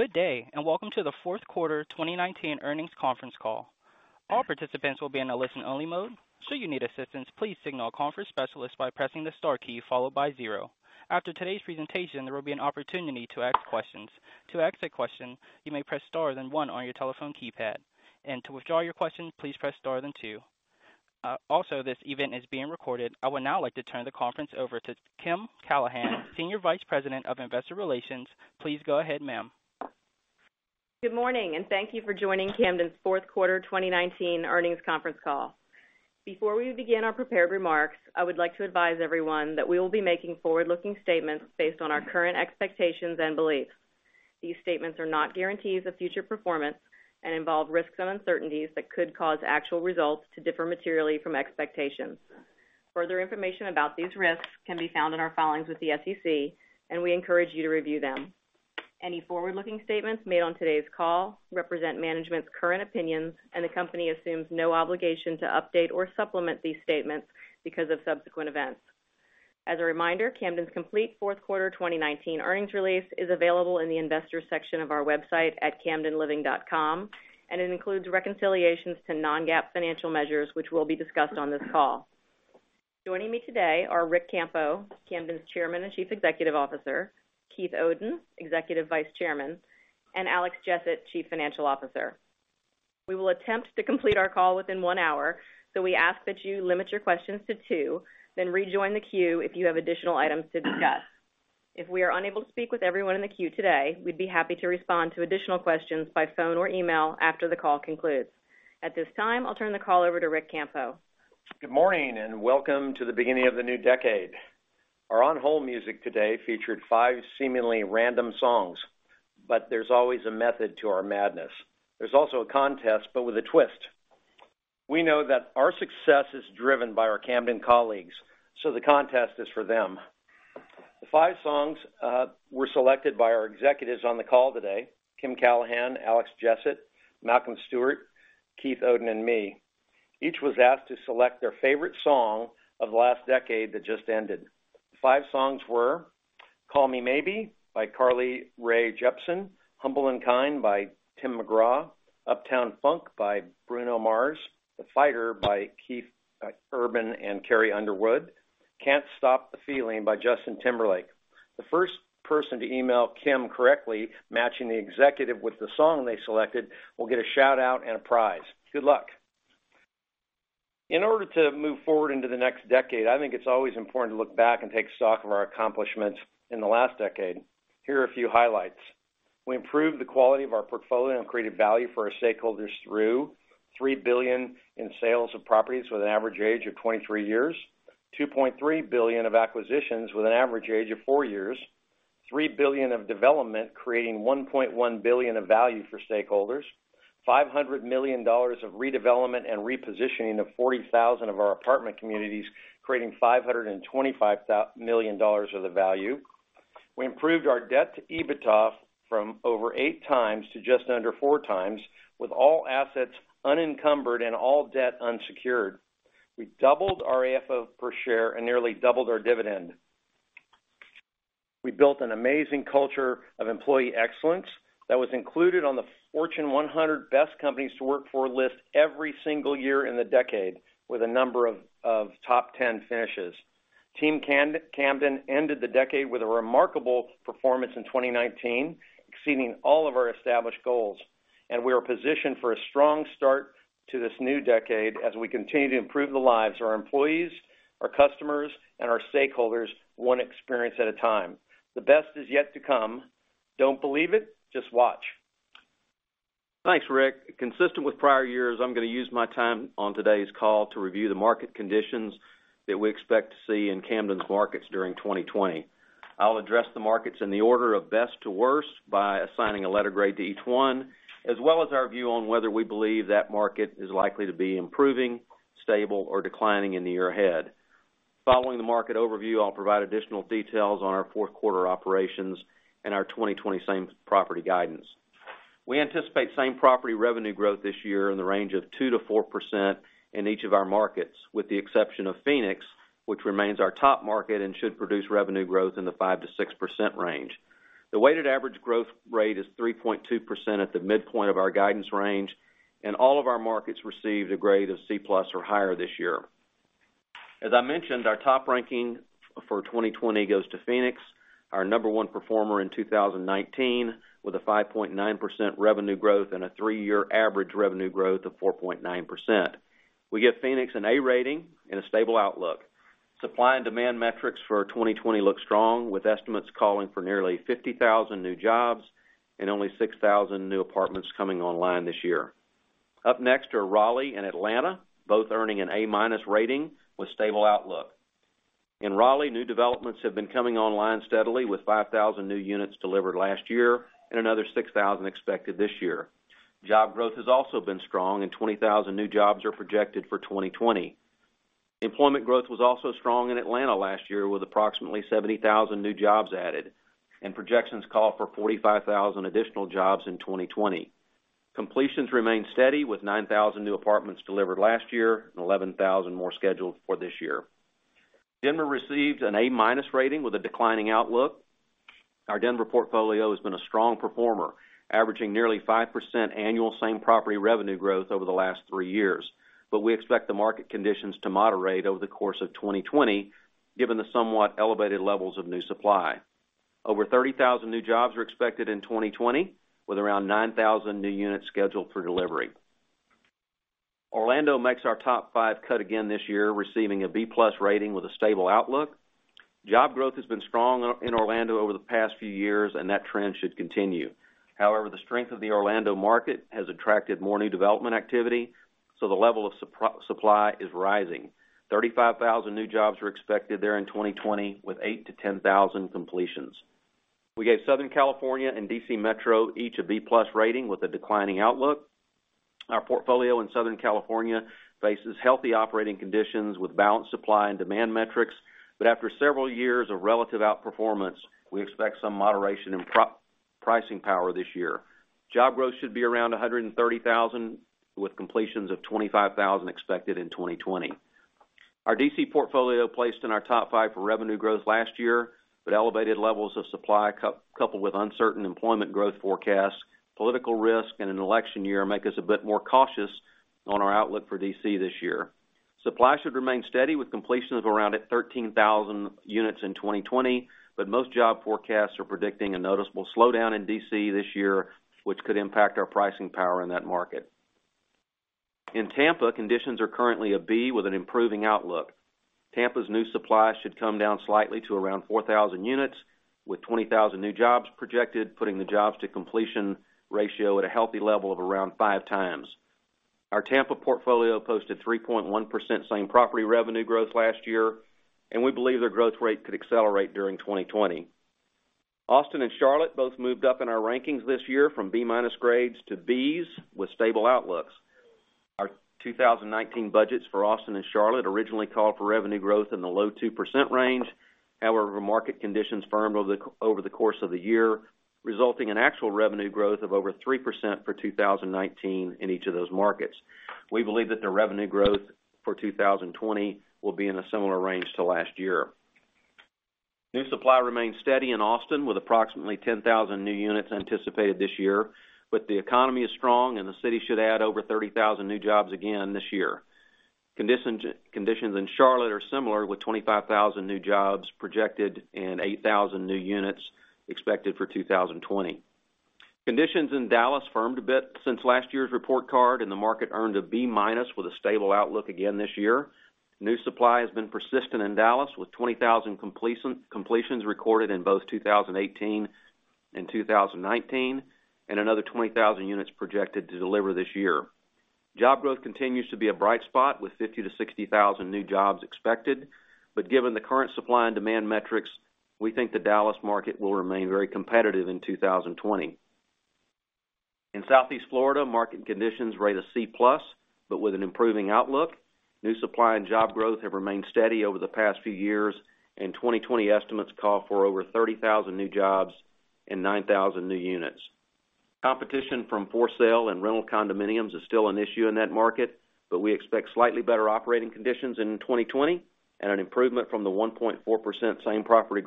Good day, welcome to the Q4 2019 Earnings Conference Call. All participants will be in a listen-only mode. Should you need assistance, please signal a conference specialist by pressing the star key followed by zero. After today's presentation, there will be an opportunity to ask questions. To ask a question, you may press star, then one on your telephone keypad. To withdraw your question, please press star, then two. Also, this event is being recorded. I would now like to turn the conference over to Kimberly Callahan, Senior Vice President of Investor Relations. Please go ahead, ma'am. Good morning, and thank you for joining Camden's Q4 2019 Earnings Conference Call. Before we begin our prepared remarks, I would like to advise everyone that we will be making forward-looking statements based on our current expectations and beliefs. These statements are not guarantees of future performance and involve risks and uncertainties that could cause actual results to differ materially from expectations. Further information about these risks can be found in our filings with the SEC, and we encourage you to review them. Any forward-looking statements made on today's call represent management's current opinions, and the company assumes no obligation to update or supplement these statements because of subsequent events. As a reminder, Camden's complete Q4 2019 earnings release is available in the Investors section of our website at camdenliving.com, and it includes reconciliations to non-GAAP financial measures, which will be discussed on this call. Joining me today are Ric Campo, Camden's Chairman and Chief Executive Officer, Keith Oden, Executive Vice Chairman, and Alex Jessett, Chief Financial Officer. We will attempt to complete our call within one hour, so we ask that you limit your questions to two, then rejoin the queue if you have additional items to discuss. If we are unable to speak with everyone in the queue today, we'd be happy to respond to additional questions by phone or email after the call concludes. At this time, I'll turn the call over to Ric Campo. Good morning, welcome to the beginning of the new decade. Our on-hold music today featured five seemingly random songs, but there's always a method to our madness. There's also a contest, but with a twist. We know that our success is driven by our Camden colleagues, so the contest is for them. The five songs were selected by our executives on the call today, Kimberly Callahan, Alex Jessett, Malcolm Stewart, Keith Oden, and me. Each was asked to select their favorite song of the last decade that just ended. The five songs were "Call Me Maybe" by Carly Rae Jepsen, "Humble and Kind" by Tim McGraw, "Uptown Funk" by Bruno Mars, "The Fighter" by Keith Urban and Carrie Underwood, "Can't Stop the Feeling" by Justin Timberlake. The first person to email Kim correctly, matching the executive with the song they selected, will get a shout-out and a prize. Good luck. In order to move forward into the next decade, I think it's always important to look back and take stock of our accomplishments in the last decade. Here are a few highlights. We improved the quality of our portfolio and created value for our stakeholders through $3 billion in sales of properties with an average age of 23 years, $2.3 billion of acquisitions with an average age of four years, $3 billion of development, creating $1.1 billion of value for stakeholders, $500 million of redevelopment and repositioning of 40,000 of our apartment communities, creating $525 million of the value. We improved our debt to EBITDA from over 8x to just under 4x, with all assets unencumbered and all debt unsecured. We doubled our FFO per share and nearly doubled our dividend. We built an amazing culture of employee excellence that was included on the Fortune 100 Best Companies to Work For list every single year in the decade, with a number of top 10 finishes. Team Camden ended the decade with a remarkable performance in 2019, exceeding all of our established goals. We are positioned for a strong start to this new decade as we continue to improve the lives of our employees, our customers, and our stakeholders, one experience at a time. The best is yet to come. Don't believe it? Just watch. Thanks, Ric. Consistent with prior years, I'm going to use my time on today's call to review the market conditions that we expect to see in Camden's markets during 2020. I'll address the markets in the order of best to worst by assigning a letter grade to each one, as well as our view on whether we believe that market is likely to be improving, stable, or declining in the year ahead. Following the market overview, I'll provide additional details on our Q4 operations and our 2020 same property guidance. We anticipate same-property revenue growth this year in the range of 2%-4% in each of our markets, with the exception of Phoenix, which remains our top market and should produce revenue growth in the 5%-6% range. The weighted average growth rate is 3.2% at the midpoint of our guidance range, and all of our markets received a grade of C+ or higher this year. As I mentioned, our top ranking for 2020 goes to Phoenix, our number one performer in 2019, with a 5.9% revenue growth and a three-year average revenue growth of 4.9%. We give Phoenix an A rating and a stable outlook. Supply and demand metrics for 2020 look strong, with estimates calling for nearly 50,000 new jobs and only 6,000 new apartments coming online this year. Up next are Raleigh and Atlanta, both earning an A-minus rating with stable outlook. In Raleigh, new developments have been coming online steadily, with 5,000 new units delivered last year and another 6,000 expected this year. Job growth has also been strong, and 20,000 new jobs are projected for 2020. Employment growth was also strong in Atlanta last year, with approximately 70,000 new jobs added, and projections call for 45,000 additional jobs in 2020. Completions remain steady, with 9,000 new apartments delivered last year and 11,000 more scheduled for this year. Denver received an A-minus rating with a declining outlook. Our Denver portfolio has been a strong performer, averaging nearly 5% annual same property revenue growth over the last three years. We expect the market conditions to moderate over the course of 2020, given the somewhat elevated levels of new supply. Over 30,000 new jobs are expected in 2020, with around 9,000 new units scheduled for delivery. Orlando makes our top five cut again this year, receiving a B+ rating with a stable outlook. Job growth has been strong in Orlando over the past few years, and that trend should continue. However, the strength of the Orlando market has attracted more new development activity, so the level of supply is rising. 35,000 new jobs are expected there in 2020, with 8,000-10,000 completions. We gave Southern California and D.C. Metro each a B+ rating with a declining outlook. Our portfolio in Southern California faces healthy operating conditions with balanced supply and demand metrics. After several years of relative outperformance, we expect some moderation in pricing power this year. Job growth should be around 130,000, with completions of 25,000 expected in 2020. Our D.C. portfolio placed in our top five for revenue growth last year, but elevated levels of supply, coupled with uncertain employment growth forecasts, political risk in an election year, make us a bit more cautious on our outlook for D.C. this year. Supply should remain steady, with completions of around 13,000 units in 2020. Most job forecasts are predicting a noticeable slowdown in D.C. this year, which could impact our pricing power in that market. In Tampa, conditions are currently a B with an improving outlook. Tampa's new supply should come down slightly to around 4,000 units, with 20,000 new jobs projected, putting the jobs-to-completion ratio at a healthy level of around 5x. Our Tampa portfolio posted 3.1% same property revenue growth last year. We believe their growth rate could accelerate during 2020. Austin and Charlotte both moved up in our rankings this year from B- grades to Bs with stable outlooks. Our 2019 budgets for Austin and Charlotte originally called for revenue growth in the low 2% range. However, market conditions firmed over the course of the year, resulting in actual revenue growth of over 3% for 2019 in each of those markets. We believe that the revenue growth for 2020 will be in a similar range to last year. New supply remains steady in Austin, with approximately 10,000 new units anticipated this year, but the economy is strong, and the city should add over 30,000 new jobs again this year. Conditions in Charlotte are similar, with 25,000 new jobs projected and 8,000 new units expected for 2020. Conditions in Dallas firmed a bit since last year's report card, and the market earned a B- with a stable outlook again this year. New supply has been persistent in Dallas, with 20,000 completions recorded in both 2018 and 2019, and another 20,000 units projected to deliver this year. Job growth continues to be a bright spot, with 50,000 to 60,000 new jobs expected. Given the current supply and demand metrics, we think the Dallas market will remain very competitive in 2020. In Southeast Florida, market conditions rate a C+, but with an improving outlook. New supply and job growth have remained steady over the past few years, and 2020 estimates call for over 30,000 new jobs and 9,000 new units. Competition from for-sale and rental condominiums is still an issue in that market, but we expect slightly better operating conditions in 2020 and an improvement from the 1.4% same property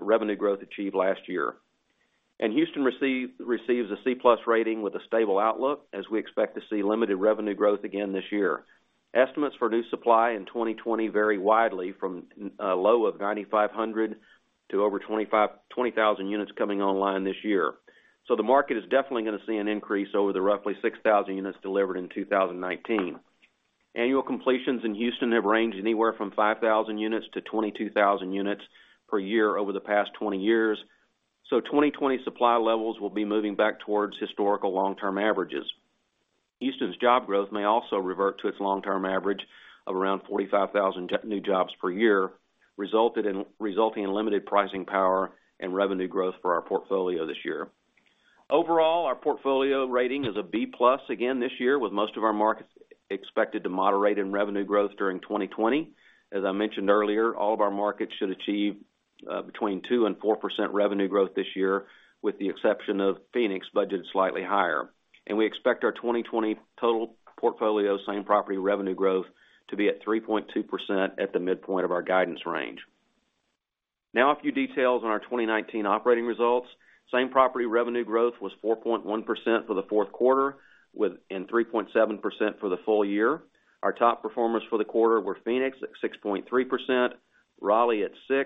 revenue growth achieved last year. Houston receives a C+ rating with a stable outlook, as we expect to see limited revenue growth again this year. Estimates for new supply in 2020 vary widely from a low of 9,500 to over 20,000 units coming online this year. The market is definitely going to see an increase over the roughly 6,000 units delivered in 2019. Annual completions in Houston have ranged anywhere from 5,000 units to 22,000 units per year over the past 20 years, so 2020 supply levels will be moving back towards historical long-term averages. Houston's job growth may also revert to its long-term average of around 45,000 new jobs per year, resulting in limited pricing power and revenue growth for our portfolio this year. Overall, our portfolio rating is a B+ again this year, with most of our markets expected to moderate in revenue growth during 2020. As I mentioned earlier, all of our markets should achieve between 2% and 4% revenue growth this year, with the exception of Phoenix, budgeted slightly higher. We expect our 2020 total portfolio same property revenue growth to be at 3.2% at the midpoint of our guidance range. A few details on our 2019 operating results. Same property revenue growth was 4.1% for the Q4, and 3.7% for the full year. Our top performers for the quarter were Phoenix at 6.3%, Raleigh at 6%,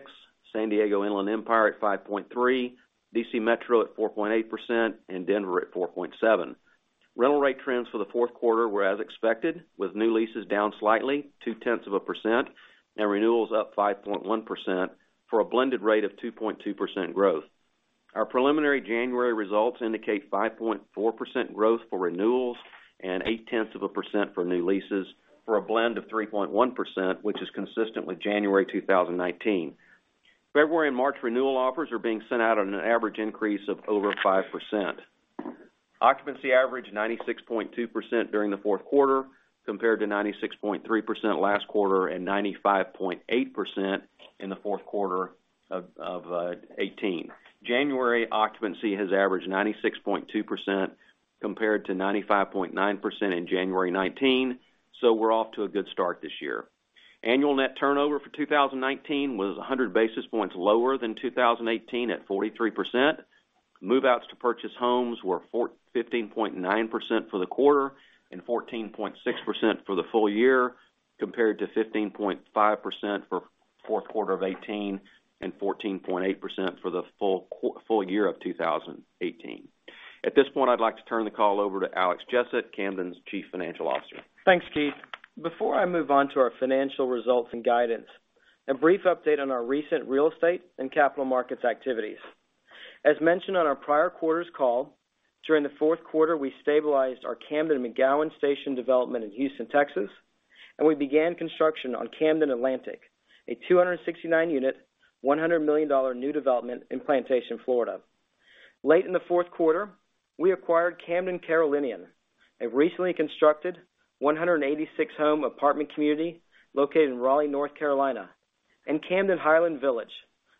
San Diego Inland Empire at 5.3%, D.C. Metro at 4.8%, and Denver at 4.7%. Rental rate trends for Q4 were as expected, with new leases down slightly, 0.2%, and renewals up 5.1% for a blended rate of 2.2% growth. Our preliminary January results indicate 5.4% growth for renewals and 0.8% for new leases for a blend of 3.1%, which is consistent with January 2019. February and March renewal offers are being sent out on an average increase of over 5%. Occupancy averaged 96.2% during the Q4, compared to 96.3% last quarter and 95.8% in the Q4 of 2018. January occupancy has averaged 96.2%, compared to 95.9% in January 2019. We're off to a good start this year. Annual net turnover for 2019 was 100 basis points lower than 2018 at 43%. Move-outs to purchase homes were 15.9% for the quarter and 14.6% for the full year, compared to 15.5% for Q4 of 2018 and 14.8% for the full year of 2018. At this point, I'd like to turn the call over to Alex Jessett, Camden's Chief Financial Officer. Thanks, Keith. Before I move on to our financial results and guidance, a brief update on our recent real estate and capital markets activities. As mentioned on our prior quarter's call, during the Q4, we stabilized our Camden McGowen Station development in Houston, Texas, and we began construction on Camden Atlantic, a 269-unit, $100 million new development in Plantation, Florida. Late in Q4, we acquired Camden Carolinian, a recently constructed 186-home apartment community located in Raleigh, North Carolina, and Camden Highland Village,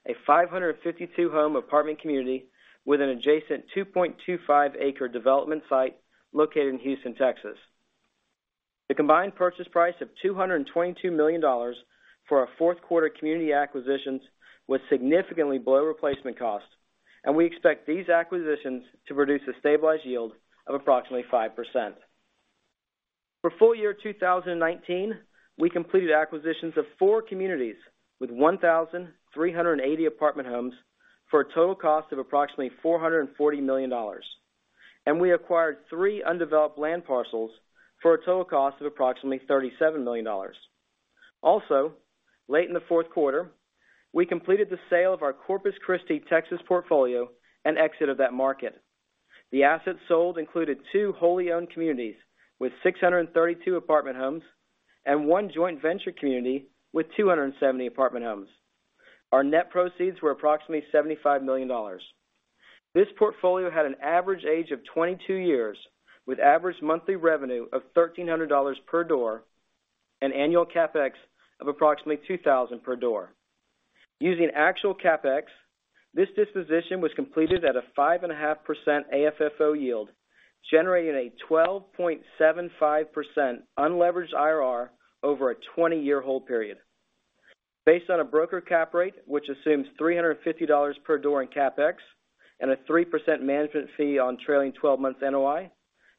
a 552-home apartment community with an adjacent 2.25-acre development site located in Houston, Texas. The combined purchase price of $222 million for our Q4 community acquisitions was significantly below replacement cost, and we expect these acquisitions to produce a stabilized yield of approximately 5%. For full year 2019, we completed acquisitions of four communities with 1,380 apartment homes for a total cost of approximately $440 million. We acquired three undeveloped land parcels for a total cost of approximately $37 million. Also, late in Q4, we completed the sale of our Corpus Christi, Texas, portfolio and exit of that market. The assets sold included two wholly owned communities with 632 apartment homes and one joint venture community with 270 apartment homes. Our net proceeds were approximately $75 million. This portfolio had an average age of 22 years with average monthly revenue of $1,300 per door and annual CapEx of approximately $2,000 per door. Using actual CapEx, this disposition was completed at a 5.5% AFFO yield, generating a 12.75% unleveraged IRR over a 20-year hold period. Based on a broker cap rate, which assumes $350 per door in CapEx and a 3% management fee on trailing 12 months NOI,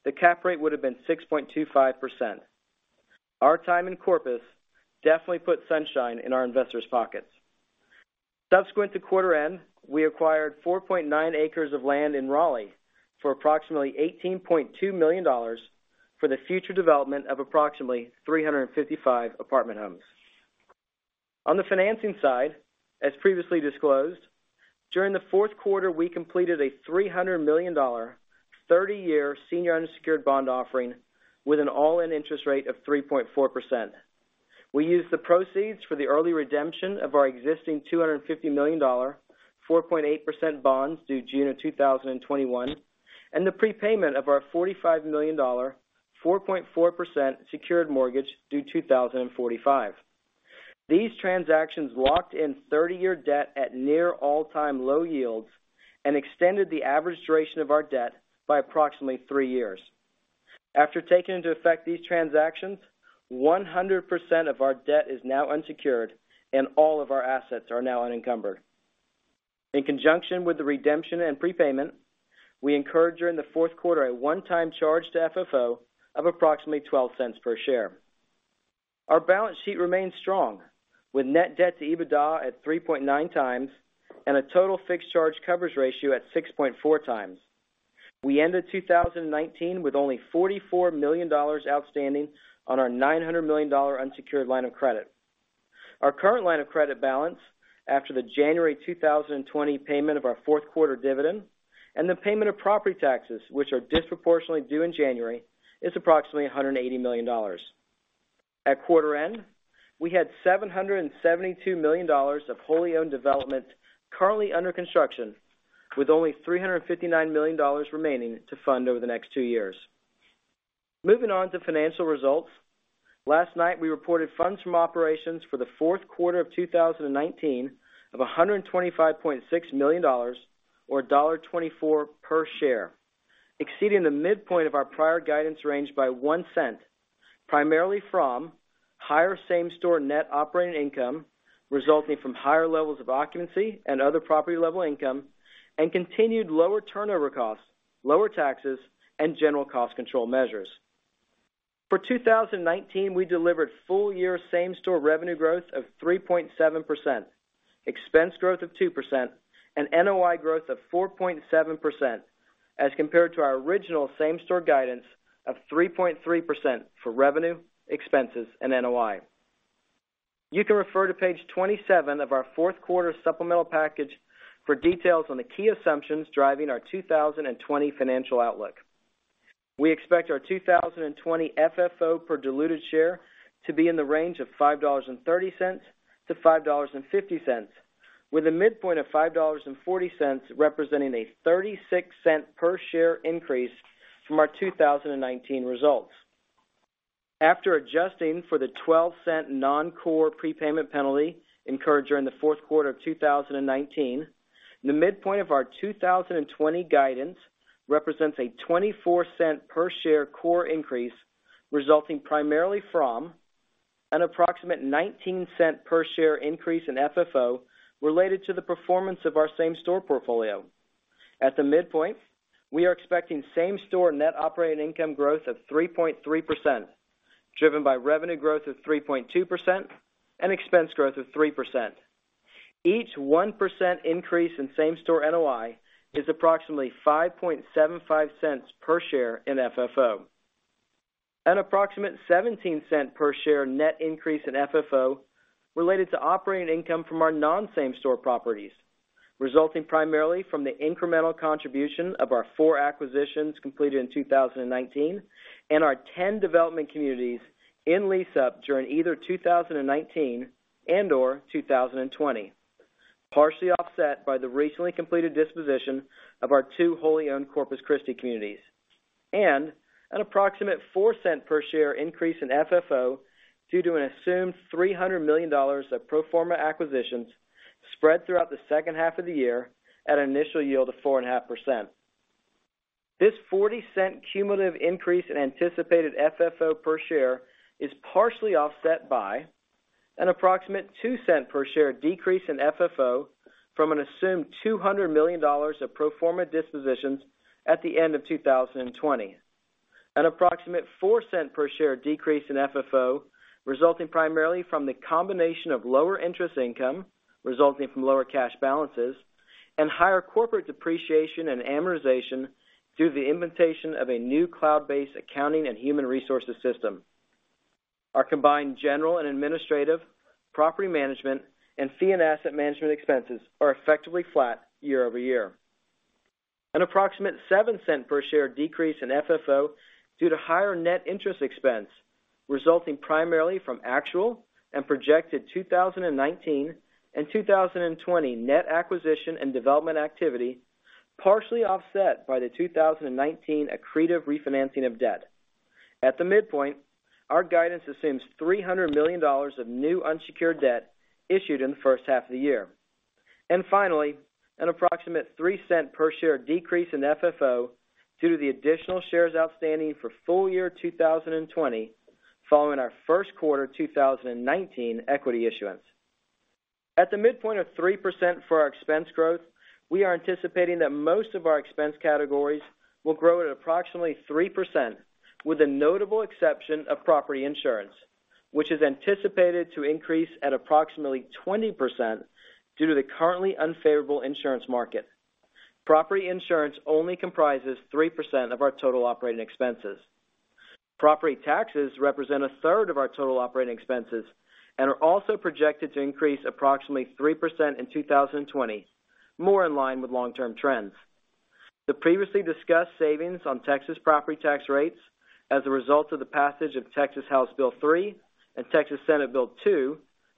the cap rate would've been 6.25%. Our time in Corpus definitely put sunshine in our investors' pockets. Subsequent to quarter end, we acquired 4.9 acres of land in Raleigh for approximately $18.2 million for the future development of approximately 355 apartment homes. On the financing side, as previously disclosed, during the Q4, we completed a $300 million, 30-year senior unsecured bond offering with an all-in interest rate of 3.4%. We used the proceeds for the early redemption of our existing $250 million 4.8% bonds due June of 2021, and the prepayment of our $45 million 4.4% secured mortgage due 2045. These transactions locked in 30-year debt at near all-time low yields and extended the average duration of our debt by approximately three years. After taking into effect these transactions, 100% of our debt is now unsecured, and all of our assets are now unencumbered. In conjunction with the redemption and prepayment, we incurred during the Q4 a one-time charge to FFO of approximately $0.12 per share. Our balance sheet remains strong, with net debt to EBITDA at 3.9x and a total fixed charge coverage ratio at 6.4x. We ended 2019 with only $44 million outstanding on our $900 million unsecured line of credit. Our current line of credit balance, after the January 2020 payment of our Q4 dividend and the payment of property taxes, which are disproportionately due in January, is approximately $180 million. At quarter end, we had $772 million of wholly owned development currently under construction, with only $359 million remaining to fund over the next two years. Moving on to financial results. Last night, we reported funds from operations for the Q4 of 2019 of $125.6 million, or $1.24 per share, exceeding the midpoint of our prior guidance range by $0.01, primarily from higher same-store net operating income resulting from higher levels of occupancy and other property-level income, and continued lower turnover costs, lower taxes, and general cost control measures. For 2019, we delivered full-year same-store revenue growth of 3.7%, expense growth of 2%, and NOI growth of 4.7%, as compared to our original same-store guidance of 3.3% for revenue, expenses, and NOI. You can refer to page 27 of our Q4 supplemental package for details on the key assumptions driving our 2020 financial outlook. We expect our 2020 FFO per diluted share to be in the range of $5.30-$5.50, with a midpoint of $5.40 representing a $0.36 per share increase from our 2019 results. After adjusting for the $0.12 non-core prepayment penalty incurred during the Q4 of 2019, the midpoint of our 2020 guidance represents a $0.24 per share core increase, resulting primarily from an approximate $0.19 per share increase in FFO related to the performance of our same-store portfolio. At the midpoint, we are expecting same-store net operating income growth of 3.3%, driven by revenue growth of 3.2% and expense growth of 3%. Each 1% increase in same-store NOI is approximately $0.0575 per share in FFO. An approximate $0.17 per share net increase in FFO related to operating income from our non-same store properties, resulting primarily from the incremental contribution of our four acquisitions completed in 2019 and our 10 development communities in lease-up during either 2019 and/or 2020, partially offset by the recently completed disposition of our two wholly owned Corpus Christi communities. An approximate $0.04 per share increase in FFO due to an assumed $300 million of pro forma acquisitions spread throughout the second half of the year at an initial yield of 4.5%. This $0.40 cumulative increase in anticipated FFO per share is partially offset by an approximate $0.02 per share decrease in FFO from an assumed $200 million of pro forma dispositions at the end of 2020. An approximate $0.04 per share decrease in FFO resulting primarily from the combination of lower interest income resulting from lower cash balances and higher corporate depreciation and amortization through the implementation of a new cloud-based accounting and human resources system. Our combined general and administrative, property management, and fee and asset management expenses are effectively flat year-over-year. An approximate $0.07 per share decrease in FFO due to higher net interest expense resulting primarily from actual and projected 2019 and 2020 net acquisition and development activity, partially offset by the 2019 accretive refinancing of debt. At the midpoint, our guidance assumes $300 million of new unsecured debt issued in the H1 of the year. Finally, an approximate $0.03 per share decrease in FFO due to the additional shares outstanding for full year 2020, following our Q1 2019 equity issuance. At the midpoint of 3% for our expense growth, we are anticipating that most of our expense categories will grow at approximately 3%, with the notable exception of property insurance, which is anticipated to increase at approximately 20% due to the currently unfavorable insurance market. Property insurance only comprises 3% of our total operating expenses. Property taxes represent a third of our total operating expenses and are also projected to increase approximately 3% in 2020, more in line with long-term trends. The previously discussed savings on Texas property tax rates as a result of the passage of Texas House Bill 3 and Texas Senate Bill 2,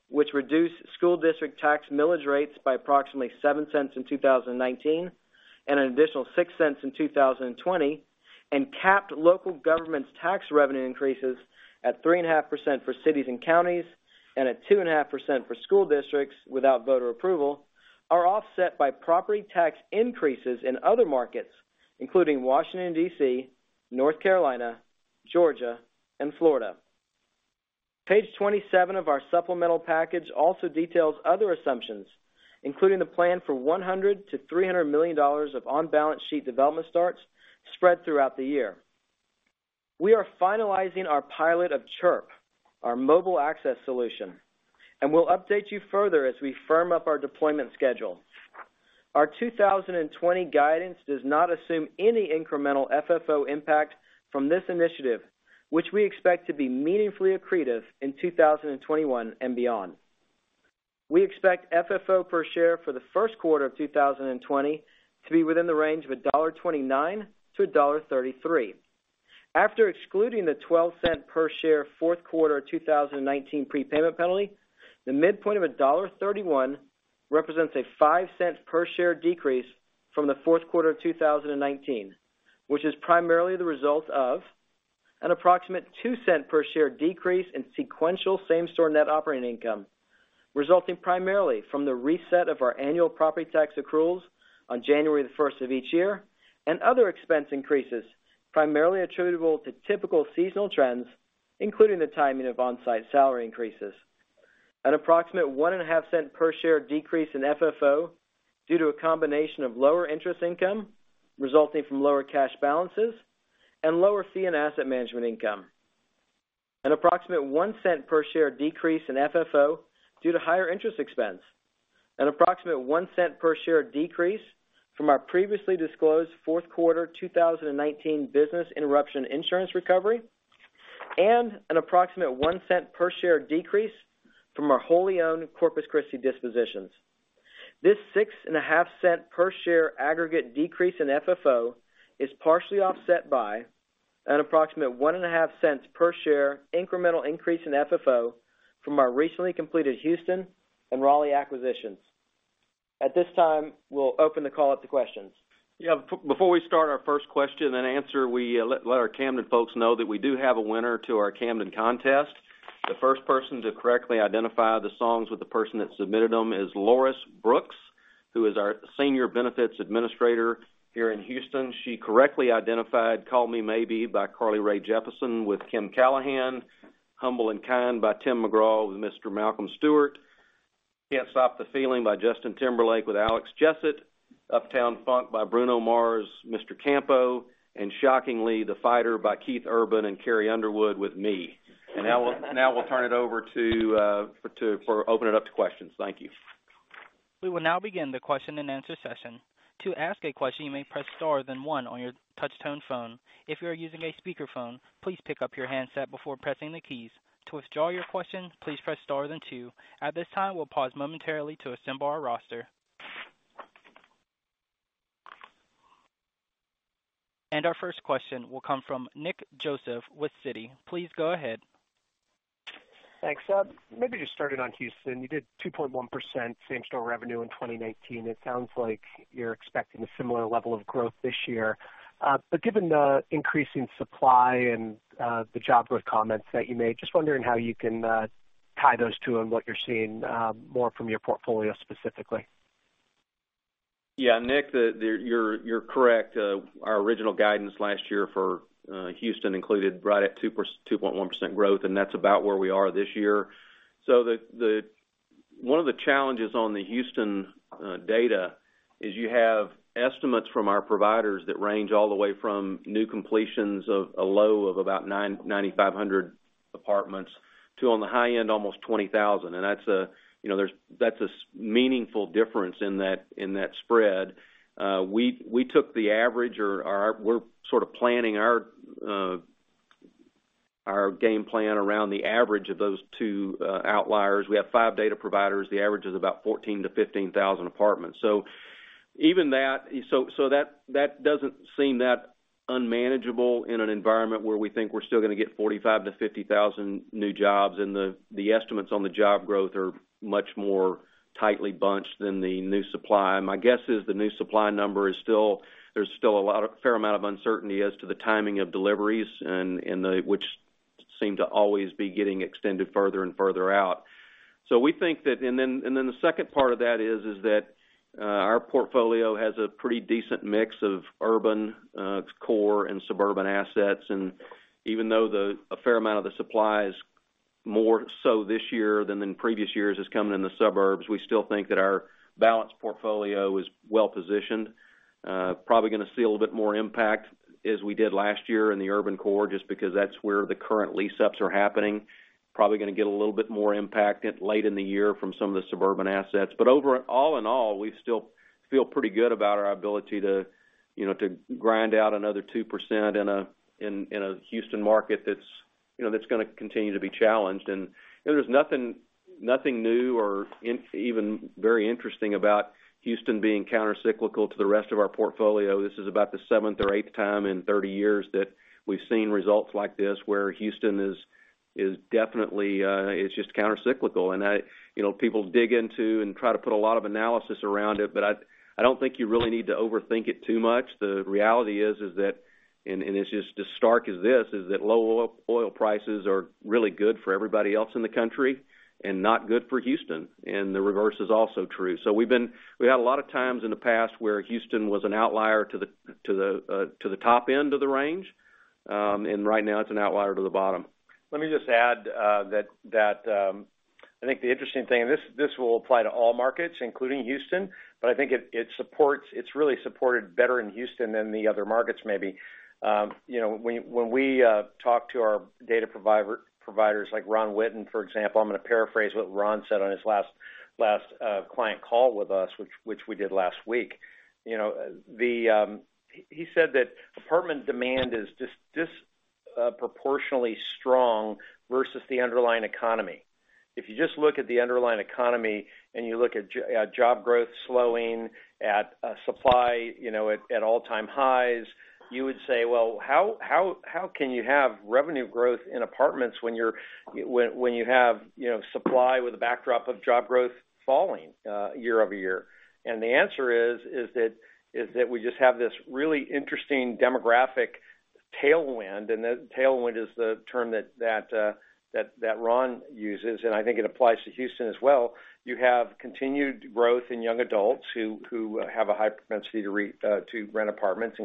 which reduced school district tax millage rates by approximately $0.07 in 2019 and an additional $0.06 in 2020, and capped local government's tax revenue increases at 3.5% for cities and counties, and at 2.5% for school districts without voter approval, are offset by property tax increases in other markets, including Washington, D.C., North Carolina, Georgia, and Florida. Page 27 of our supplemental package also details other assumptions, including the plan for $100 million-$300 million of on-balance sheet development starts spread throughout the year. We are finalizing our pilot of Chirp, our mobile access solution, and we'll update you further as we firm up our deployment schedule. Our 2020 guidance does not assume any incremental FFO impact from this initiative, which we expect to be meaningfully accretive in 2021 and beyond. We expect FFO per share for the Q1 of 2020 to be within the range of $1.29 to $1.33. After excluding the $0.12 per share Q4 2019 prepayment penalty, the midpoint of $1.31 represents a $0.05 per share decrease from the Q4 of 2019, which is primarily the result of an approximate $0.02 per share decrease in sequential same-store net operating income, resulting primarily from the reset of our annual property tax accruals on January 1st of each year and other expense increases, primarily attributable to typical seasonal trends, including the timing of on-site salary increases. An approximate $0.015 per share decrease in FFO due to a combination of lower interest income resulting from lower cash balances and lower fee and asset management income. An approximate $0.01 per share decrease in FFO due to higher interest expense. An approximate $0.01 per share decrease from our previously disclosed Q4 2019 business interruption insurance recovery, and an approximate $0.01 per share decrease from our wholly owned Corpus Christi dispositions. This $0.065 per share aggregate decrease in FFO is partially offset by an approximate $0.015 per share incremental increase in FFO from our recently completed Houston and Raleigh acquisitions. At this time, we'll open the call up to questions. Yeah. Before we start our first question and answer, we let our Camden folks know that we do have a winner to our Camden contest. The first person to correctly identify the songs with the person that submitted them is Laurie Baker, who is our senior benefits administrator here in Houston. She correctly identified "Call Me Maybe" by Carly Rae Jepsen with Kimberly Callahan, "Humble and Kind" by Tim McGraw with Mr. Malcolm Stewart, "Can't Stop the Feeling" by Justin Timberlake with Alex Jessett, "Uptown Funk" by Bruno Mars, Mr. Campo, and shockingly, "The Fighter" by Keith Urban and Carrie Underwood with me. Now we'll turn it over to open it up to questions. Thank you. We will now begin the question and answer session. To ask a question, you may press star then one on your touch tone phone. If you are using a speakerphone, please pick up your handset before pressing the keys. To withdraw your question, please press star then two. At this time, we'll pause momentarily to assemble our roster. Our first question will come from Nick Joseph with Citi. Please go ahead. Thanks. Maybe just starting on Houston, you did 2.1% same-store revenue in 2019. It sounds like you're expecting a similar level of growth this year. Given the increasing supply and the job growth comments that you made, just wondering how you can tie those two and what you're seeing, more from your portfolio specifically. Yeah, Nick, you're correct. Our original guidance last year for Houston included right at 2.1% growth, that's about where we are this year. One of the challenges on the Houston data is you have estimates from our providers that range all the way from new completions of a low of about 9,500 apartments, to on the high end, almost 20,000. That's a meaningful difference in that spread. We took the average or we're sort of planning our game plan around the average of those two outliers. We have five data providers. The average is about 14,000 to 15,000 apartments. That doesn't seem that unmanageable in an environment where we think we're still going to get 45,000 to 50,000 new jobs, and the estimates on the job growth are much more tightly bunched than the new supply. My guess is the new supply number, there's still a fair amount of uncertainty as to the timing of deliveries, which seem to always be getting extended further and further out. The second part of that is that our portfolio has a pretty decent mix of urban core and suburban assets, even though a fair amount of the supply is more so this year than in previous years is coming in the suburbs, we still think that our balanced portfolio is well-positioned. Probably going to see a little bit more impact as we did last year in the urban core, just because that's where the current lease-ups are happening. Probably going to get a little bit more impact late in the year from some of the suburban assets. All in all, we still feel pretty good about our ability to grind out another 2% in a Houston market that's going to continue to be challenged. There's nothing new or even very interesting about Houston being countercyclical to the rest of our portfolio. This is about the seventh or eighth time in 30 years that we've seen results like this, where Houston is definitely just countercyclical. People dig into and try to put a lot of analysis around it, but I don't think you really need to overthink it too much. The reality is, and it's just as stark as this, is that low oil prices are really good for everybody else in the country and not good for Houston. The reverse is also true. We had a lot of times in the past where Houston was an outlier to the top end of the range. Right now, it's an outlier to the bottom. Let me just add that I think the interesting thing, and this will apply to all markets, including Houston, but I think it's really supported better in Houston than the other markets maybe. When we talk to our data providers like Ron Witten, for example, I'm going to paraphrase what Ron said on his last client call with us, which we did last week. He said that apartment demand is disproportionally strong versus the underlying economy. If you just look at the underlying economy and you look at job growth slowing, at supply at all-time highs, you would say, "Well, how can you have revenue growth in apartments when you have supply with the backdrop of job growth falling year-over-year?" The answer is that we just have this really interesting demographic tailwind, and tailwind is the term that Ron uses, and I think it applies to Houston as well. You have continued growth in young adults who have a high propensity to rent apartments,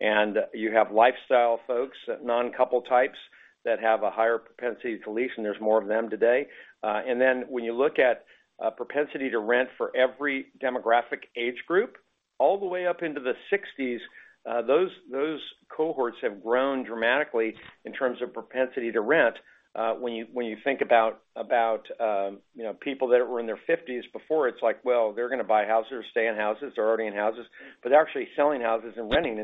and you have lifestyle folks, non-couple types, that have a higher propensity to lease, and there's more of them today. When you look at propensity to rent for every demographic age group, all the way up into the 60s, those cohorts have grown dramatically in terms of propensity to rent. When you think about people that were in their 50s before, it's like, well, they're going to buy houses or stay in houses. They're already in houses, they're actually selling houses and renting.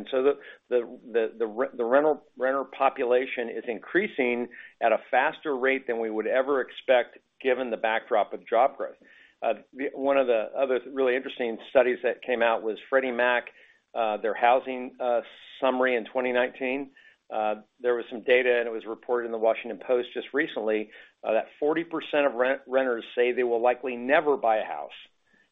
The renter population is increasing at a faster rate than we would ever expect given the backdrop of job growth. One of the other really interesting studies that came out was Freddie Mac, their housing summary in 2019. There was some data, it was reported in The Washington Post just recently, that 40% of renters say they will likely never buy a house.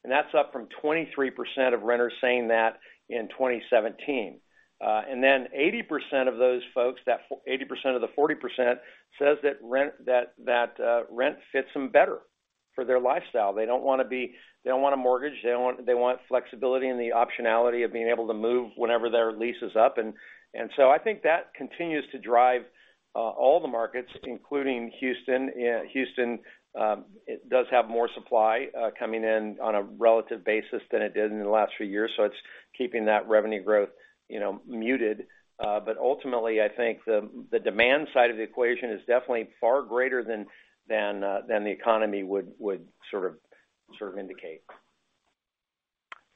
That's up from 23% of renters saying that in 2017. 80% of those folks, 80% of the 40%, says that rent fits them better for their lifestyle. They don't want a mortgage. They want flexibility and the optionality of being able to move whenever their lease is up. I think that continues to drive all the markets, including Houston. Houston, it does have more supply coming in on a relative basis than it did in the last few years, so it's keeping that revenue growth muted. Ultimately, I think the demand side of the equation is definitely far greater than the economy would sort of indicate.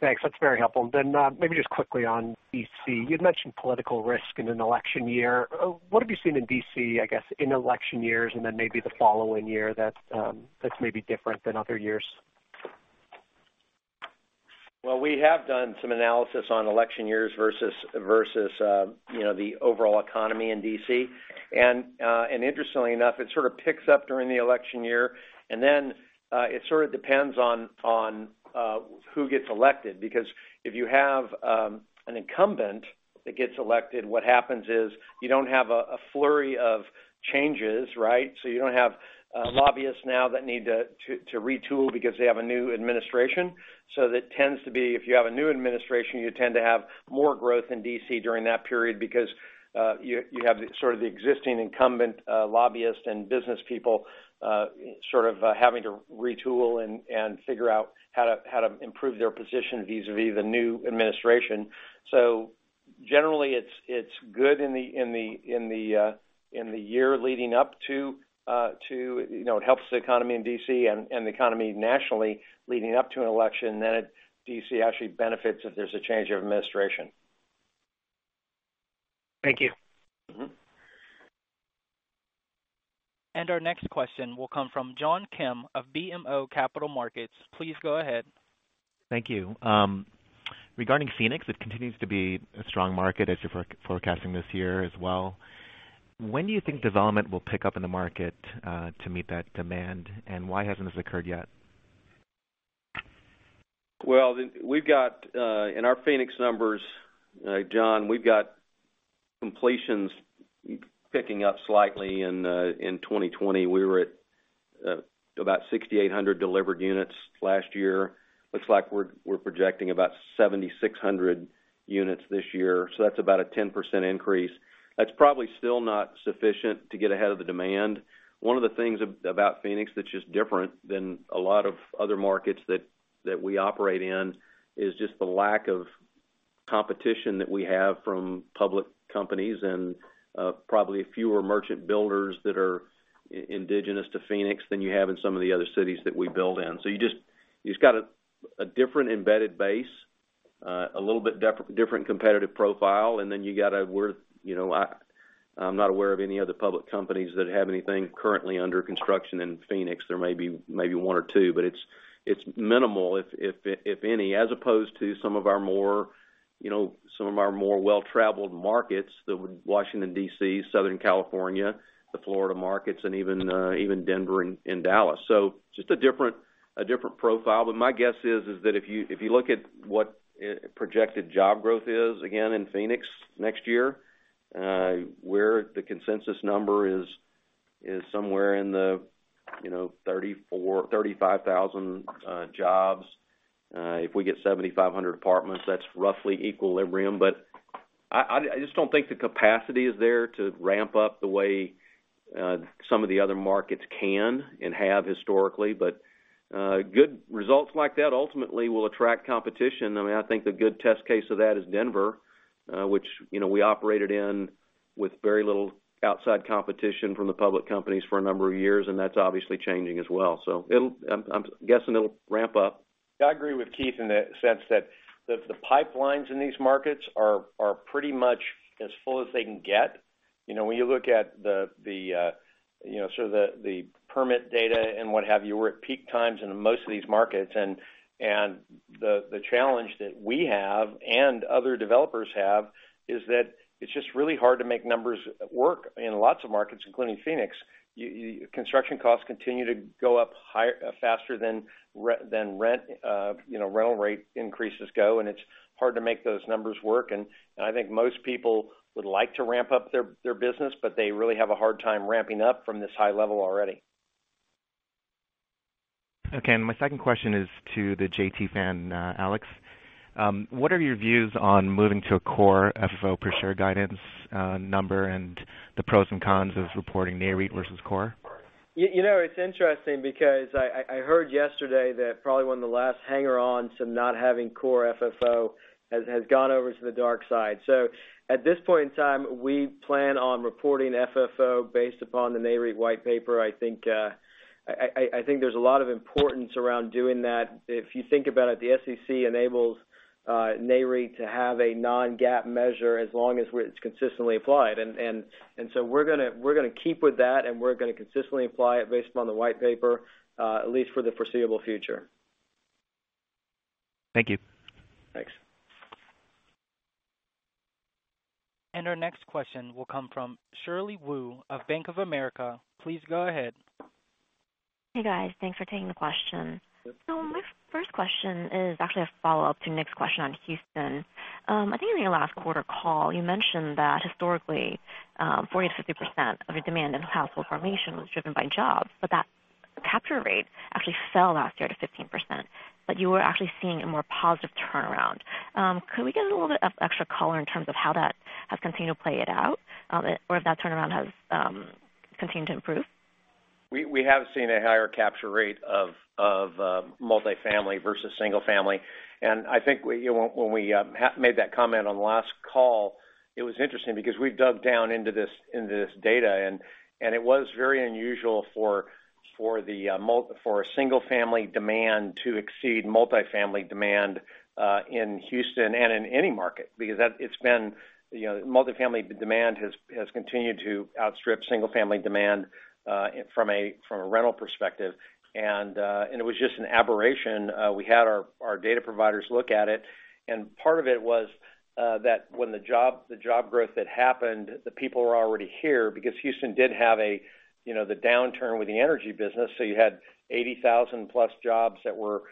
Thanks. That's very helpful. Then maybe just quickly on D.C., you'd mentioned political risk in an election year. What have you seen in D.C., I guess, in election years, and then maybe the following year that's maybe different than other years? We have done some analysis on election years versus the overall economy in D.C. Interestingly enough, it sort of picks up during the election year, and then it sort of depends on who gets elected, because if you have an incumbent that gets elected, what happens is you don't have a flurry of changes, right? You don't have lobbyists now that need to retool because they have a new administration. If you have a new administration, you tend to have more growth in D.C. during that period because you have the sort of the existing incumbent, lobbyists, and business people sort of having to retool and figure out how to improve their position vis-a-vis the new administration. Generally, it helps the economy in D.C. and the economy nationally leading up to an election. D.C. actually benefits if there's a change of administration. Thank you. Our next question will come from John Kim of BMO Capital Markets. Please go ahead. Thank you. Regarding Phoenix, it continues to be a strong market as you're forecasting this year as well. When do you think development will pick up in the market to meet that demand, and why hasn't this occurred yet? In our Phoenix numbers, John, we've got completions picking up slightly in 2020. We were at about 6,800 delivered units last year. Looks like we're projecting about 7,600 units this year. That's about a 10% increase. That's probably still not sufficient to get ahead of the demand. One of the things about Phoenix that's just different than a lot of other markets that we operate in is just the lack of competition that we have from public companies and probably fewer merchant builders that are indigenous to Phoenix than you have in some of the other cities that we build in. You just got a different embedded base, a little bit different competitive profile, and then I'm not aware of any other public companies that have anything currently under construction in Phoenix. There may be one or two, but it's minimal, if any, as opposed to some of our more well-traveled markets, Washington, D.C., Southern California, the Florida markets, and even Denver and Dallas. Just a different profile. My guess is that if you look at what projected job growth is, again, in Phoenix next year, where the consensus number is somewhere in the 35,000 jobs. If we get 7,500 apartments, that's roughly equilibrium, but I just don't think the capacity is there to ramp up the way some of the other markets can and have historically. Good results like that ultimately will attract competition. I think the good test case of that is Denver, which we operated in with very little outside competition from the public companies for a number of years, and that's obviously changing as well. I'm guessing it'll ramp up. I agree with Keith in the sense that the pipelines in these markets are pretty much as full as they can get. When you look at the sort of the permit data and what have you, we're at peak times in most of these markets, and the challenge that we have and other developers have is that it's just really hard to make numbers work in lots of markets, including Phoenix. Construction costs continue to go up faster than rental rate increases go, and it's hard to make those numbers work. I think most people would like to ramp up their business, but they really have a hard time ramping up from this high level already. Okay. My second question is to the JT fan, Alex. What are your views on moving to a core FFO per share guidance number and the pros and cons of reporting NAREIT versus core? It's interesting because I heard yesterday that probably one of the last hangers-on to not having core FFO has gone over to the dark side. At this point in time, we plan on reporting FFO based upon the NAREIT white paper. I think there's a lot of importance around doing that. If you think about it, the SEC enables NAREIT to have a non-GAAP measure as long as it's consistently applied. We're going to keep with that, and we're going to consistently apply it based upon the white paper, at least for the foreseeable future. Thank you. Thanks. Our next question will come from Shirley Wu of Bank of America. Please go ahead. Hey, guys. Thanks for taking the question. My first question is actually a follow-up to Nick's question on Houston. I think in your last quarter call, you mentioned that historically, 40%-50% of the demand in household formation was driven by jobs, but that capture rate actually fell last year to 15%, but you were actually seeing a more positive turnaround. Could we get a little bit of extra color in terms of how that has continued to play it out, or if that turnaround has continued to improve? We have seen a higher capture rate of multifamily versus single-family. I think when we made that comment on the last call, it was interesting because we dug down into this data, it was very unusual for a single-family demand to exceed multifamily demand, in Houston and in any market. Multifamily demand has continued to outstrip single-family demand, from a rental perspective. It was just an aberration. We had our data providers look at it, and part of it was that when the job growth had happened, the people were already here because Houston did have the downturn with the energy business. You had 80,000+ jobs that were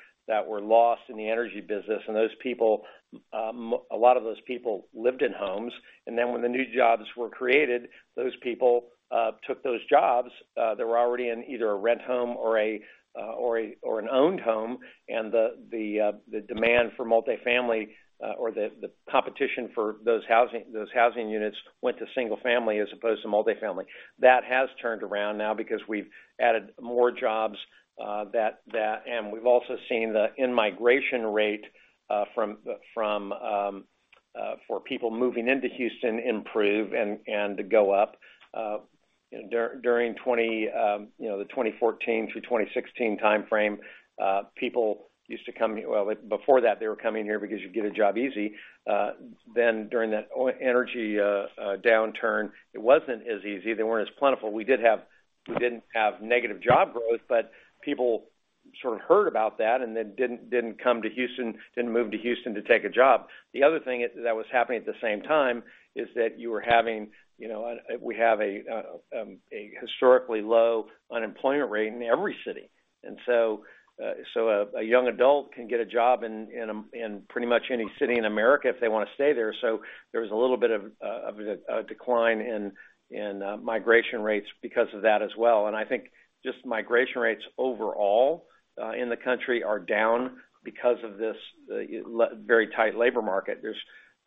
lost in the energy business. A lot of those people lived in homes. When the new jobs were created, those people took those jobs. They were already in either a rent home or an owned home. The demand for multifamily, or the competition for those housing units went to single-family as opposed to multifamily. That has turned around now because we've added more jobs, and we've also seen the in-migration rate for people moving into Houston improve and go up. During the 2014-2016 timeframe, before that, they were coming here because you get a job easy. During that energy downturn, it wasn't as easy. They weren't as plentiful. We didn't have negative job growth, but people sort of heard about that and then didn't move to Houston to take a job. The other thing that was happening at the same time is that we have a historically low unemployment rate in every city. A young adult can get a job in pretty much any city in America if they want to stay there. There was a little bit of a decline in migration rates because of that as well. I think just migration rates overall in the country are down because of this very tight labor market.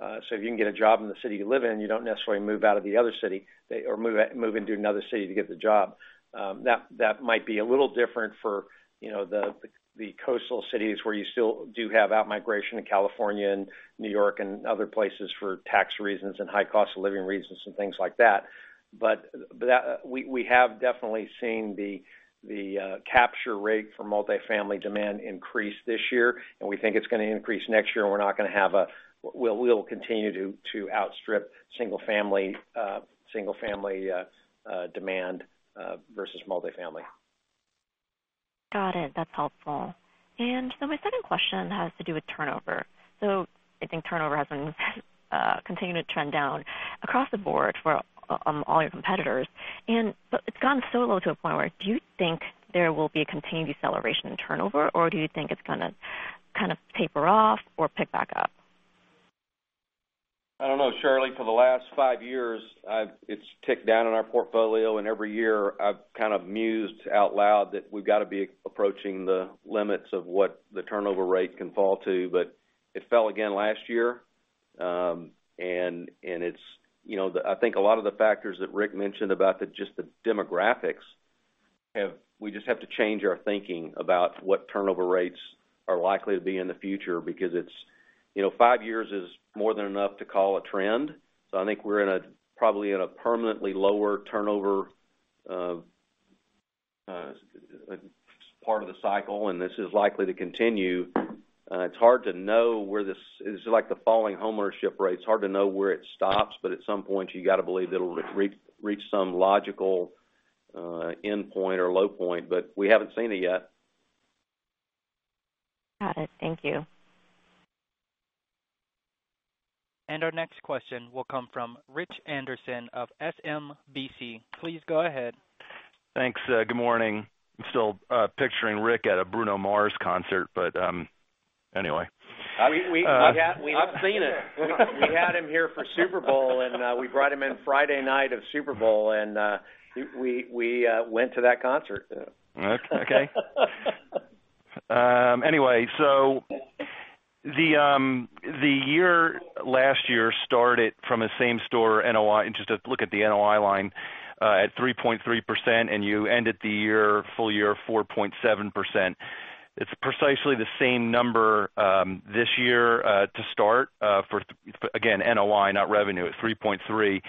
If you can get a job in the city you live in, you don't necessarily move out of the other city or move into another city to get the job. That might be a little different for the coastal cities where you still do have outmigration in California and New York and other places for tax reasons and high cost of living reasons and things like that. We have definitely seen the capture rate for multifamily demand increase this year, and we think it's going to increase next year, and we'll continue to outstrip single family demand versus multifamily. Got it. That's helpful. My second question has to do with turnover. I think turnover has been continuing to trend down across the board for all your competitors, but it's gone so low to a point where do you think there will be a contained deceleration in turnover, or do you think it's going to kind of taper off or pick back up? I don't know, Shirley. For the last five years, it's ticked down in our portfolio, and every year, I've kind of mused out loud that we've got to be approaching the limits of what the turnover rate can fall to. It fell again last year. I think a lot of the factors that Ric mentioned about just the demographics, we just have to change our thinking about what turnover rates are likely to be in the future because five years is more than enough to call a trend. I think we're probably in a permanently lower turnover part of the cycle, and this is likely to continue. It's like the falling homeownership rates. It's hard to know where it stops, but at some point, you got to believe it'll reach some logical endpoint or low point, but we haven't seen it yet. Got it. Thank you. Our next question will come from Rich Anderson of SMBC. Please go ahead. Thanks. Good morning. I'm still picturing Ric at a Bruno Mars concert, but, anyway. We have seen it. We had him here for Super Bowl, and we brought him in Friday night of Super Bowl, and we went to that concert. Okay. Anyway, the year last year started from a same store NOI, just to look at the NOI line, at 3.3%, and you ended the full year 4.7%. It's precisely the same number, this year, to start, again, NOI, not revenue, at 3.3%.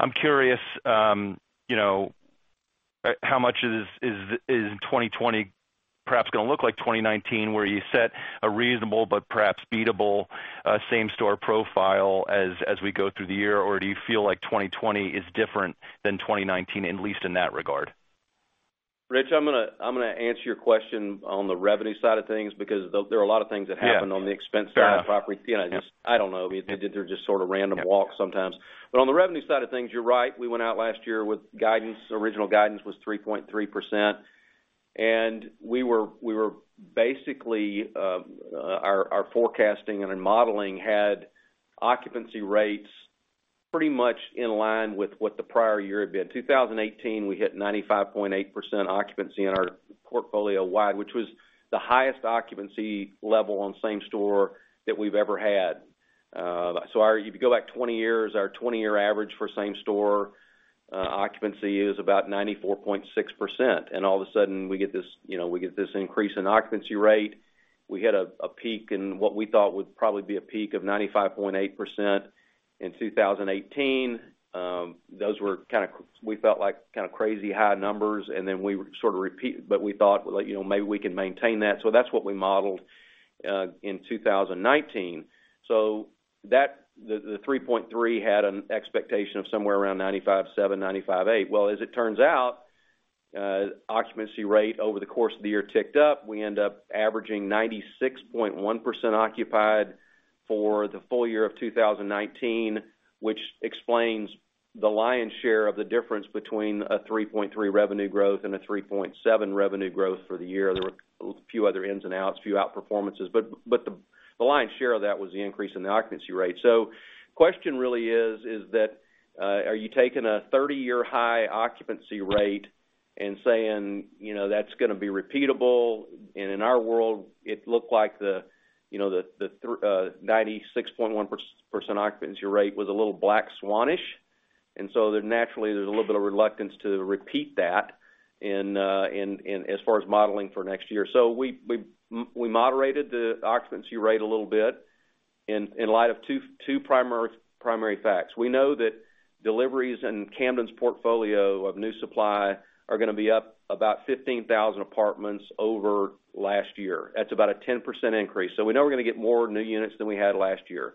I'm curious, how much is 2020 perhaps going to look like 2019, where you set a reasonable but perhaps beatable same store profile as we go through the year? Do you feel like 2020 is different than 2019, at least in that regard? Rich, I'm going to answer your question on the revenue side of things, because there are a lot of things that happened on the expense side of property. Yeah. Fair enough. I don't know, they're just sort of random walks sometimes. On the revenue side of things, you're right, we went out last year with guidance. Original guidance was 3.3%. Basically, our forecasting and our modeling had occupancy rates pretty much in line with what the prior year had been. 2018, we hit 95.8% occupancy in our portfolio wide, which was the highest occupancy level on same store that we've ever had. If you go back 20 years, our 20-year average for same store occupancy is about 94.6%. All of a sudden, we get this increase in occupancy rate. We hit a peak in what we thought would probably be a peak of 95.8% in 2018. Those were, we felt like, kind of crazy high numbers, and then we sort of repeat, but we thought, maybe we can maintain that. That's what we modeled in 2019. The 3.3% had an expectation of somewhere around 95.7%, 95.8%. As it turns out, occupancy rate over the course of the year ticked up. We end up averaging 96.1% occupied for the full year of 2019, which explains the lion's share of the difference between a 3.3% revenue growth and a 3.7% revenue growth for the year. There were a few other ins and outs, a few out performances, but the lion's share of that was the increase in the occupancy rate. The question really is that, are you taking a 30-year high occupancy rate and saying, that's going to be repeatable? In our world, it looked like the 96.1% occupancy rate was a little black swan-ish. Naturally, there's a little bit of reluctance to repeat that as far as modeling for next year. We moderated the occupancy rate a little bit in light of two primary facts. We know that deliveries in Camden's portfolio of new supply are going to be up about 15,000 apartments over last year. That's about a 10% increase. We know we're going to get more new units than we had last year.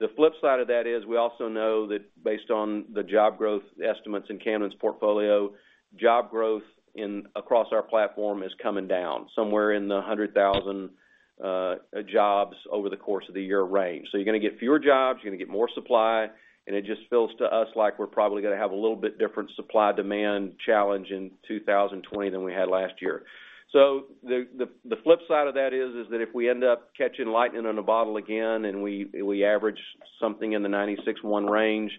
The flip side of that is we also know that based on the job growth estimates in Camden's portfolio, job growth across our platform is coming down, somewhere in the 100,000 jobs over the course of the year range. You're going to get fewer jobs, you're going to get more supply, and it just feels to us like we're probably going to have a little bit different supply-demand challenge in 2020 than we had last year. The flip side of that is that if we end up catching lightning in a bottle again, and we average something in the 96.1% range,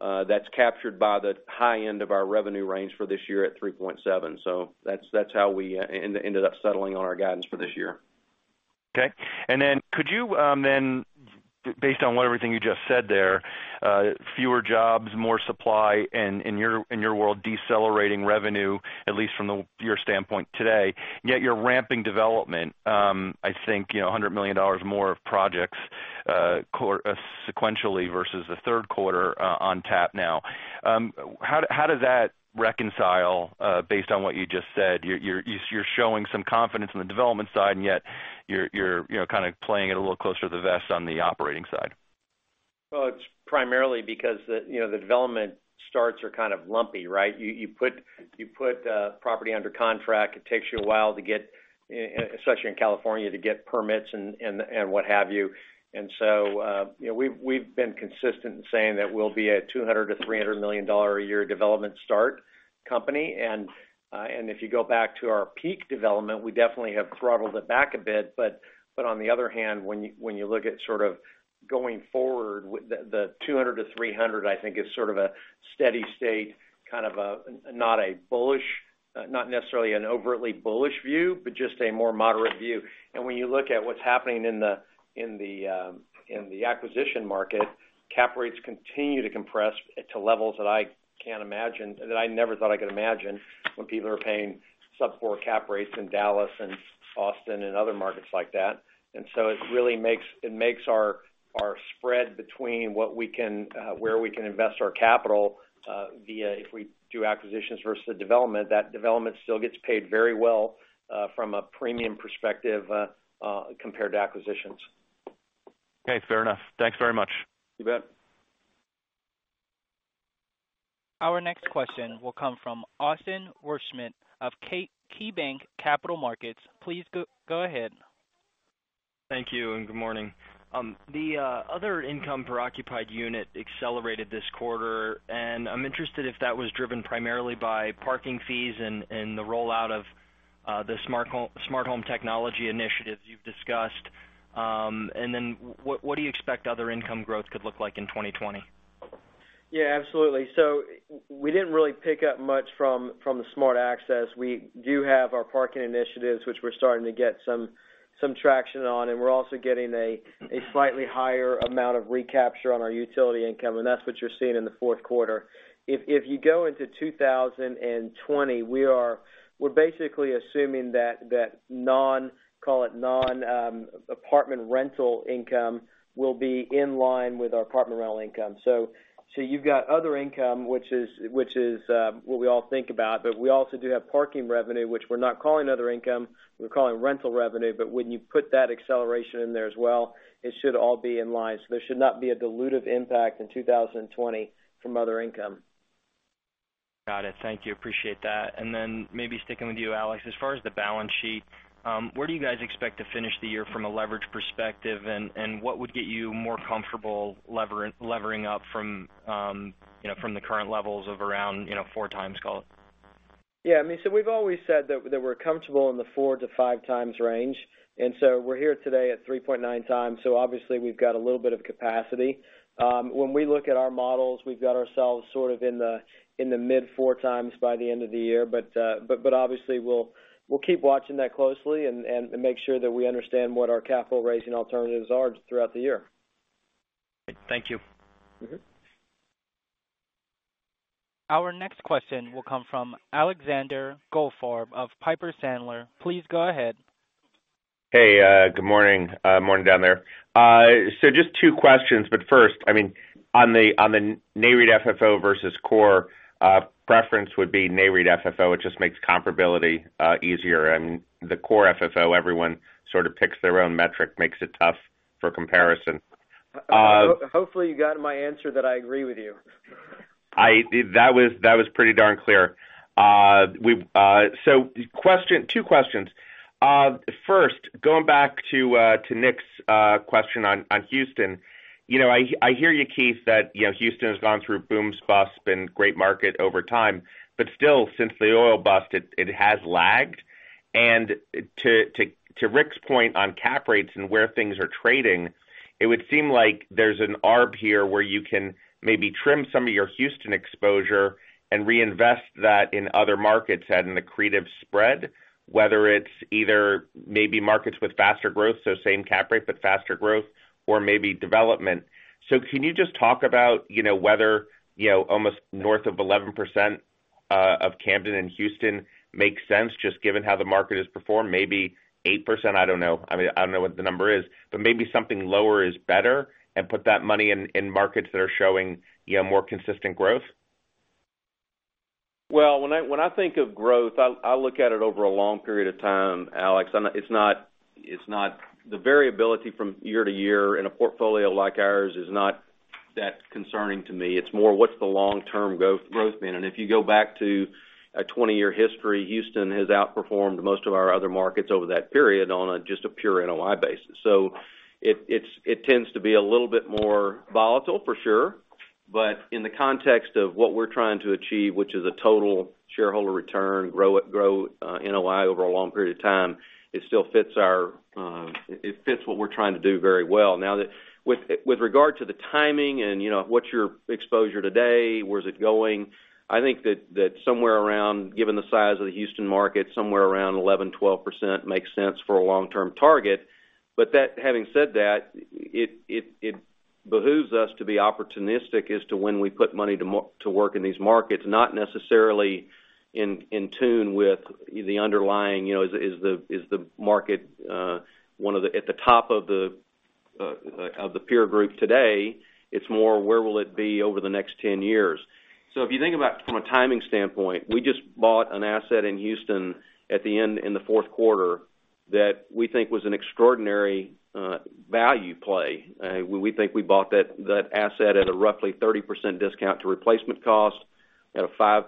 that's captured by the high end of our revenue range for this year at 3.7%. That's how we ended up settling on our guidance for this year. Okay. Then could you then, based on what everything you just said there, fewer jobs, more supply, and in your world, decelerating revenue, at least from your standpoint today, yet you're ramping development, I think, $100 million more of projects sequentially versus the Q3 on tap now. How does that reconcile based on what you just said? You're showing some confidence on the development side, and yet you're kind of playing it a little closer to the vest on the operating side. Well, it is primarily because the development starts are kind of lumpy, right. You put a property under contract. It takes you a while, especially in California, to get permits and what have you. We have been consistent in saying that we will be a $200 million to $300 million a year development start company. If you go back to our peak development, we definitely have throttled it back a bit. On the other hand, when you look at sort of going forward, the $200 million to $300 million, I think is sort of a steady state, kind of not necessarily an overtly bullish view, but just a more moderate view. When you look at what's happening in the acquisition market, cap rates continue to compress to levels that I can't imagine, that I never thought I could imagine, when people are paying sub-4 cap rates in Dallas and Austin and other markets like that. It really makes our spread between where we can invest our capital, via if we do acquisitions versus the development, that development still gets paid very well, from a premium perspective, compared to acquisitions. Okay, fair enough. Thanks very much. You bet. Our next question will come from Austin Wurschmidt of KeyBanc Capital Markets. Please go ahead. Thank you, and good morning. The other income per occupied unit accelerated this quarter. I'm interested if that was driven primarily by parking fees and the rollout of the smart home technology initiatives you've discussed? What do you expect other income growth could look like in 2020? Yeah, absolutely. We didn't really pick up much from the smart access. We do have our parking initiatives, which we're starting to get some traction on, and we're also getting a slightly higher amount of recapture on our utility income, and that's what you're seeing in Q4. If you go into 2020, we're basically assuming that call it non-apartment rental income will be in line with our apartment rental income. You've got other income, which is what we all think about, but we also do have parking revenue, which we're not calling other income, we're calling rental revenue, but when you put that acceleration in there as well, it should all be in line. There should not be a dilutive impact in 2020 from other income. Got it. Thank you. Appreciate that. Then maybe sticking with you, Alex, as far as the balance sheet, where do you guys expect to finish the year from a leverage perspective and what would get you more comfortable levering up from the current levels of around four times? Yeah. We've always said that we're comfortable in the 4x to 5x range. We're here today at 3.9x, obviously we've got a little bit of capacity. When we look at our models, we've got ourselves sort of in the mid-4x by the end of the year, obviously we'll keep watching that closely and make sure that we understand what our capital raising alternatives are throughout the year. Thank you. Our next question will come from Alexander Goldfarb of Piper Sandler. Please go ahead. Hey, good morning. Morning down there. Just two questions, but first, on the NAREIT FFO versus core, preference would be NAREIT FFO. It just makes comparability easier, and the core FFO, everyone sort of picks their own metric, makes it tough for comparison. Hopefully, you got my answer that I agree with you. That was pretty darn clear. Two questions. First, going back to Nick's question on Houston. I hear you, Keith, that Houston has gone through booms, busts, been a great market over time. Still, since the oil bust, it has lagged. And to Ric's point on cap rates and where things are trading, it would seem like there's an arb here where you can maybe trim some of your Houston exposure and reinvest that in other markets and in the creative spread, whether it's either maybe markets with faster growth, same cap rate but faster growth or maybe development. Can you just talk about whether almost north of 11% of Camden in Houston makes sense, just given how the market has performed? Maybe 8%, I don't know. I don't know what the number is, but maybe something lower is better, and put that money in markets that are showing more consistent growth. Well, when I think of growth, I look at it over a long period of time, Alex. The variability from year to year in a portfolio like ours is not that concerning to me. It's more, what's the long-term growth been? If you go back to a 20-year history, Houston has outperformed most of our other markets over that period on just a pure NOI basis. It tends to be a little bit more volatile, for sure. In the context of what we're trying to achieve, which is a total shareholder return, grow NOI over a long period of time, it fits what we're trying to do very well. Now, with regard to the timing and what's your exposure today, where's it going, I think that given the size of the Houston market, somewhere around 11%, 12% makes sense for a long-term target. Having said that, it behooves us to be opportunistic as to when we put money to work in these markets, not necessarily in tune with the underlying, is the market at the top of the peer group today? It's more, where will it be over the next 10 years? If you think about from a timing standpoint, we just bought an asset in Houston at the end in Q4 that we think was an extraordinary value play. We think we bought that asset at a roughly 30% discount to replacement cost, at a 5%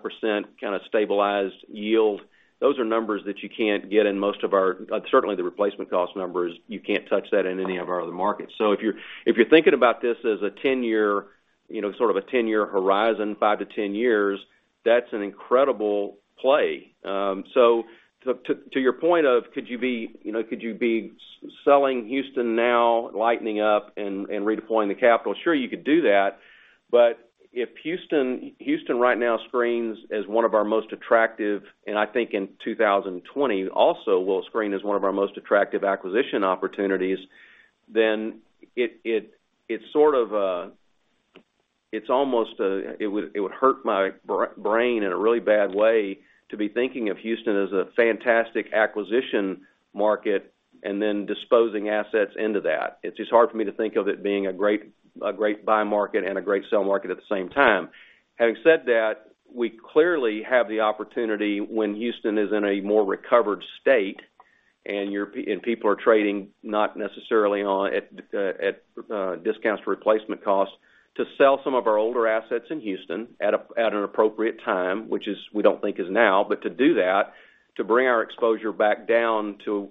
kind of stabilized yield. Those are numbers that you can't get in most of our, certainly, the replacement cost numbers, you can't touch that in any of our other markets. If you're thinking about this as sort of a 10-year horizon, 5-10 years, that's an incredible play. To your point of, could you be selling Houston now, lightening up and redeploying the capital? Sure, you could do that. If Houston right now screens as one of our most attractive, and I think in 2020 also will screen as one of our most attractive acquisition opportunities, then it would hurt my brain in a really bad way to be thinking of Houston as a fantastic acquisition market and then disposing assets into that. It's just hard for me to think of it being a great buy market and a great sell market at the same time. Having said that, we clearly have the opportunity when Houston is in a more recovered state and people are trading, not necessarily at discounts to replacement costs, to sell some of our older assets in Houston at an appropriate time, which we don't think is now. To do that, to bring our exposure back down to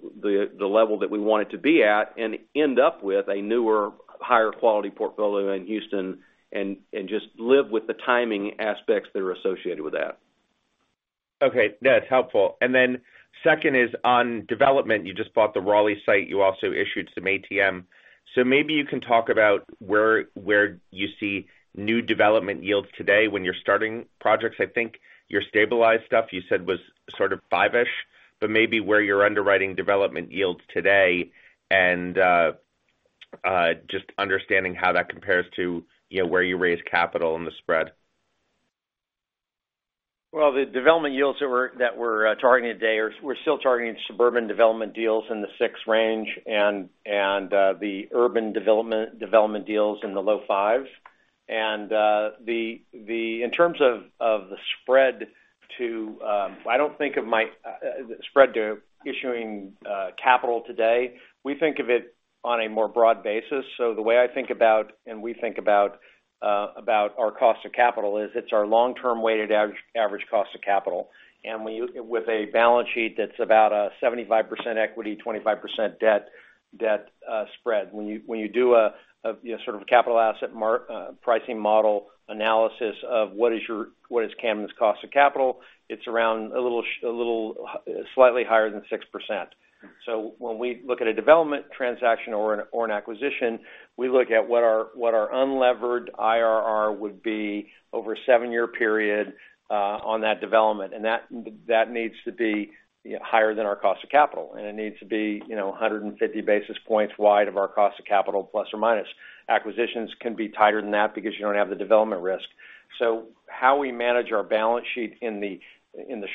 the level that we want it to be at and end up with a newer, higher quality portfolio in Houston and just live with the timing aspects that are associated with that. Okay. That's helpful. Second is on development. You just bought the Raleigh site. You also issued some ATM. Maybe you can talk about where you see new development yields today when you're starting projects. I think your stabilized stuff you said was sort of five-ish, but maybe where you're underwriting development yields today and just understanding how that compares to where you raise capital in the spread. Well, the development yields that we're targeting today, we're still targeting suburban development deals in the six range and the urban development deals in the low fives. In terms of the spread I don't think of my spread to issuing capital today. We think of it on a more broad basis. The way we think about our cost of capital is it's our long-term weighted average cost of capital. With a balance sheet that's about a 75% equity, 25% debt spread. When you do a sort of capital asset pricing model analysis of what is Camden's cost of capital, it's around a little slightly higher than 6%. When we look at a development transaction or an acquisition, we look at what our unlevered IRR would be over a seven-year period, on that development. That needs to be higher than our cost of capital, and it needs to be 150 basis points wide of our cost of capital, plus or minus. Acquisitions can be tighter than that because you don't have the development risk. How we manage our balance sheet in the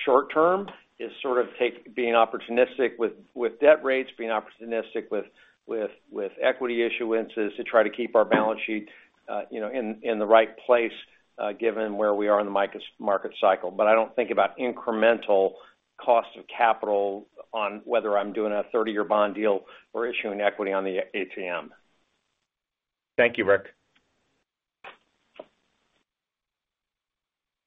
short-term is sort of being opportunistic with debt rates, being opportunistic with equity issuances to try to keep our balance sheet in the right place, given where we are in the market cycle. I don't think about incremental cost of capital on whether I'm doing a 30-year bond deal or issuing equity on the ATM. Thank you, Ric.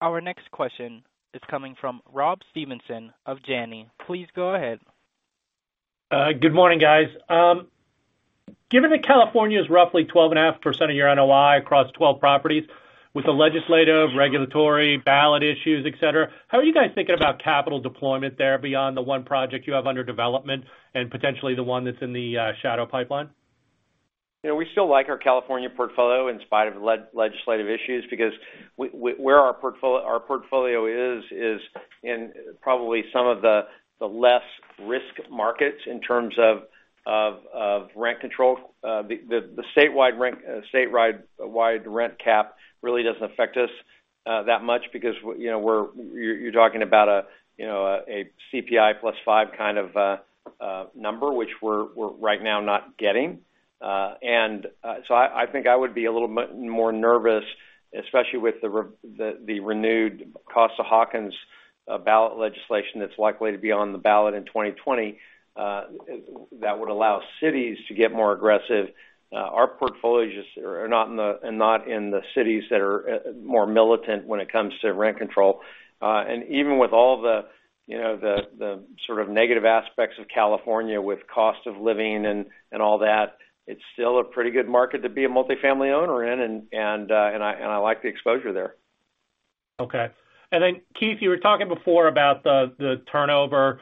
Our next question is coming from Rob Stevenson of Janney. Please go ahead. Good morning, guys. Given that California is roughly 12.5% of your NOI across 12 properties with the legislative, regulatory, ballot issues, et cetera, how are you guys thinking about capital deployment there beyond the one project you have under development and potentially the one that's in the shadow pipeline? We still like our California portfolio in spite of legislative issues, because where our portfolio is in probably some of the less risk markets in terms of rent control. The statewide rent cap really doesn't affect us that much because you're talking about a CPI +5 kind of number, which we're right now not getting. I think I would be a little bit more nervous, especially with the renewed Costa-Hawkins ballot legislation that's likely to be on the ballot in 2020, that would allow cities to get more aggressive. Our portfolios are not in the cities that are more militant when it comes to rent control. Even with all the sort of negative aspects of California with cost of living and all that, it's still a pretty good market to be a multifamily owner in, and I like the exposure there. Okay. Keith, you were talking before about the turnover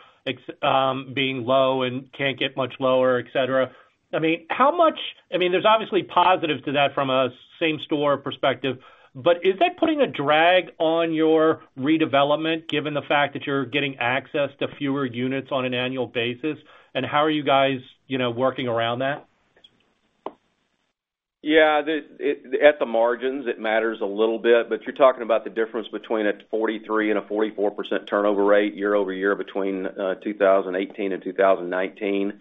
being low and can't get much lower, et cetera. There's obviously positive to that from a same store perspective, is that putting a drag on your redevelopment, given the fact that you're getting access to fewer units on an annual basis? How are you guys working around that? Yeah. At the margins, it matters a little bit, but you're talking about the difference between a 43% and a 44% turnover rate year-over-year between 2018 and 2019.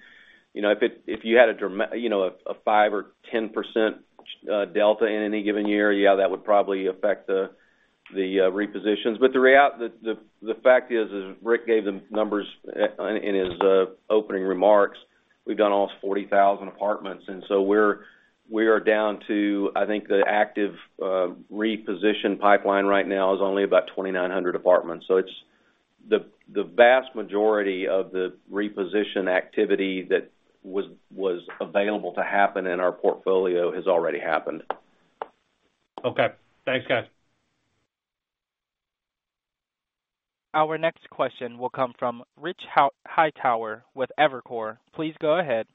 If you had a 5% or 10% delta in any given year, yeah, that would probably affect the repositions. The fact is, as Ric gave the numbers in his opening remarks, we've done almost 40,000 apartments, and so we are down to, I think the active reposition pipeline right now is only about 2,900 apartments. The vast majority of the reposition activity that was available to happen in our portfolio has already happened. Okay. Thanks, guys. Our next question will come from Rich Hightower with Evercore. Please go ahead.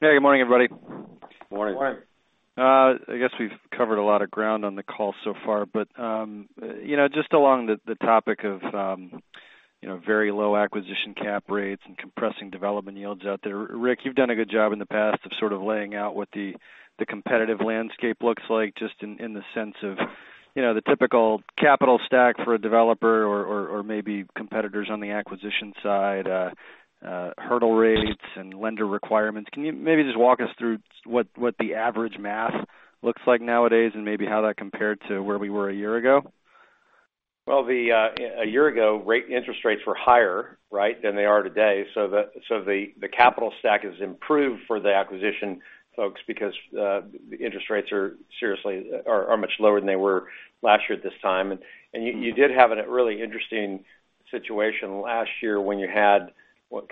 Hey, good morning, everybody. Morning. Morning. I guess we've covered a lot of ground on the call so far, just along the topic of very low acquisition cap rates and compressing development yields out there, Ric, you've done a good job in the past of sort of laying out what the competitive landscape looks like, just in the sense of the typical capital stack for a developer or maybe competitors on the acquisition side, hurdle rates and lender requirements. Can you maybe just walk us through what the average math looks like nowadays, and maybe how that compared to where we were a year ago? Well, a year ago, interest rates were higher, right, than they are today. The capital stack has improved for the acquisition folks because the interest rates are much lower than they were last year at this time. You did have a really interesting situation last year when you had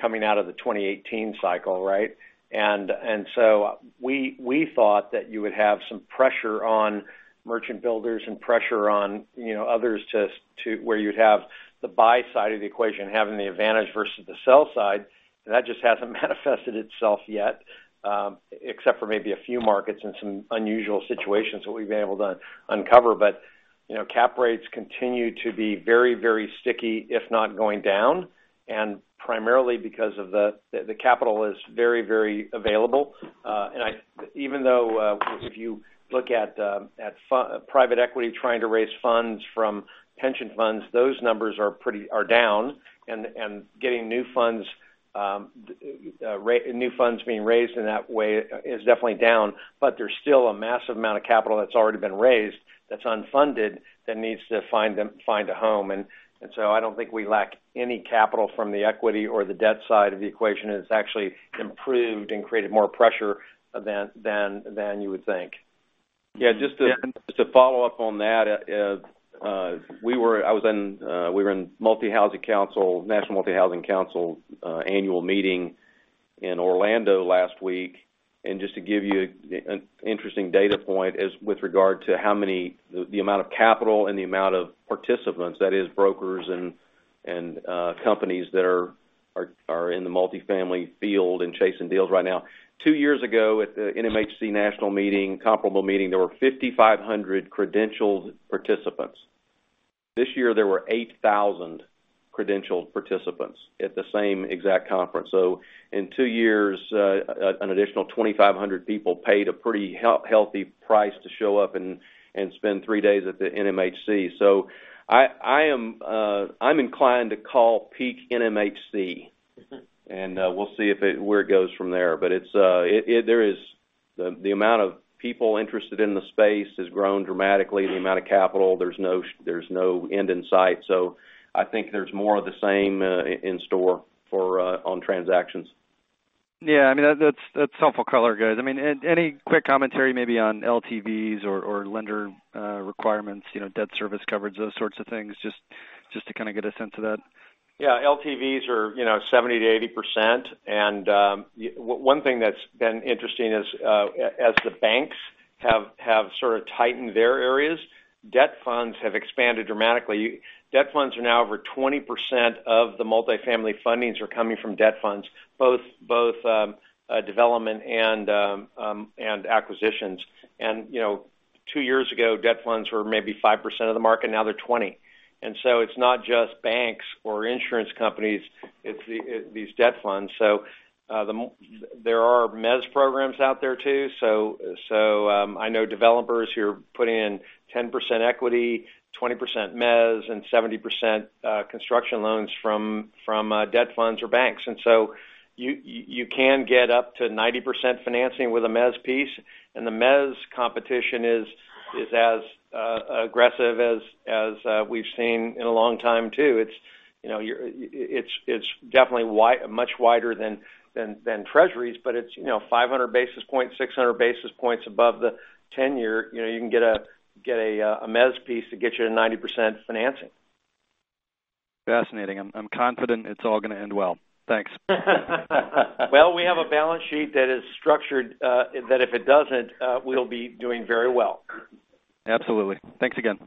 coming out of the 2018 cycle, right? We thought that you would have some pressure on merchant builders and pressure on others to where you'd have the buy side of the equation having the advantage versus the sell side. That just hasn't manifested itself yet, except for maybe a few markets and some unusual situations that we've been able to uncover. Cap rates continue to be very sticky, if not going down, and primarily because the capital is very available. Even though, if you look at private equity trying to raise funds from pension funds, those numbers are down and getting new funds being raised in that way is definitely down, but there's still a massive amount of capital that's already been raised that's unfunded that needs to find a home. I don't think we lack any capital from the equity or the debt side of the equation. It's actually improved and created more pressure than you would think. Yeah, just to follow up on that, we were in National Multifamily Housing Council annual meeting in Orlando last week. Just to give you an interesting data point with regard to the amount of capital and the amount of participants, that is brokers and companies that are in the multifamily field and chasing deals right now. Two years ago at the NMHC national meeting, comparable meeting, there were 5,500 credentialed participants. This year, there were 8,000 credentialed participants at the same exact conference. In two years, an additional 2,500 people paid a pretty healthy price to show up and spend three days at the NMHC. I'm inclined to call peak NMHC, and we'll see where it goes from there. The amount of people interested in the space has grown dramatically. The amount of capital, there's no end in sight. I think there's more of the same in store on transactions. Yeah, that's helpful color, guys. Any quick commentary maybe on LTVs or lender requirements, debt service coverage, those sorts of things, just to kind of get a sense of that? Yeah. LTVs are 70%-80%. One thing that's been interesting is, as the banks have sort of tightened their areas, debt funds have expanded dramatically. Debt funds are now over 20% of the multifamily fundings are coming from debt funds, both development and acquisitions. Two years ago, debt funds were maybe 5% of the market. Now they're 20%. It's not just banks or insurance companies, it's these debt funds. There are MEZ programs out there, too. I know developers who are putting in 10% equity, 20% MEZ, and 70% construction loans from debt funds or banks. You can get up to 90% financing with a MEZ piece. The MEZ competition is as aggressive as we've seen in a long time, too. It's definitely much wider than Treasuries. It's 500 basis points, 600 basis points above the 10-year. You can get a MEZ piece to get you to 90% financing. Fascinating. I'm confident it's all going to end well. Thanks. Well, we have a balance sheet that is structured that if it doesn't, we'll be doing very well. Absolutely. Thanks again.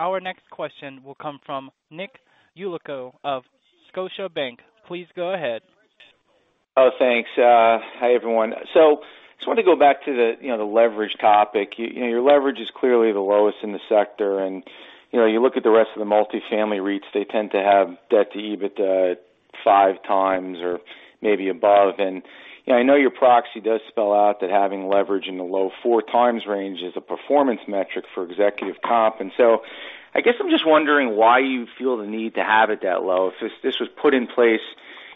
Our next question will come from Nicholas Yulico of Scotiabank. Please go ahead. Oh, thanks. Hi, everyone. Just wanted to go back to the leverage topic. Your leverage is clearly the lowest in the sector, and you look at the rest of the multifamily REITs, they tend to have debt-to-EBITDA at 5x or maybe above. I know your proxy does spell out that having leverage in the low 4x range is a performance metric for executive comp. I guess I'm just wondering why you feel the need to have it that low. If this was put in place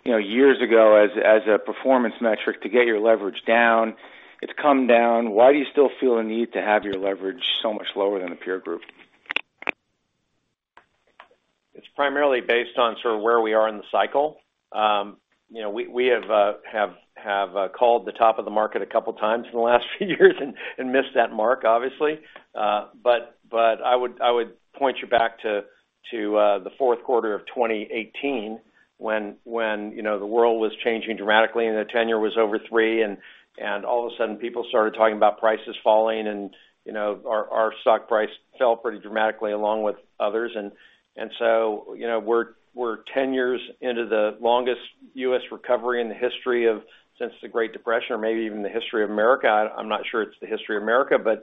years ago as a performance metric to get your leverage down, it's come down. Why do you still feel a need to have your leverage so much lower than the peer group? It's primarily based on sort of where we are in the cycle. We have called the top of the market a couple of times in the last few years and missed that mark, obviously. I would point you back to the Q4 of 2018 when the world was changing dramatically and the 10-year was over 3%, all of a sudden, people started talking about prices falling, and our stock price fell pretty dramatically along with others. We're 10 years into the longest U.S. recovery in the history of since the Great Depression, or maybe even the history of America. I'm not sure it's the history of America, but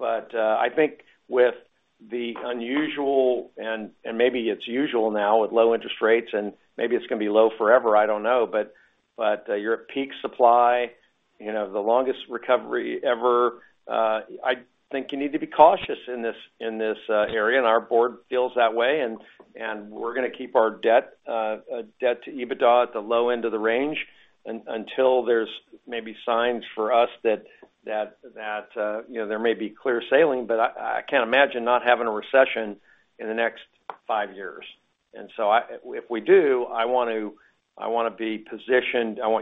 I think with the unusual, and maybe it's usual now with low interest rates, and maybe it's going to be low forever, I don't know, but your peak supply, the longest recovery ever, I think you need to be cautious in this area, and our board feels that way. We're going to keep our debt to EBITDA at the low end of the range until there's maybe signs for us that there may be clear sailing, but I can't imagine not having a recession in the next five years. If we do, I want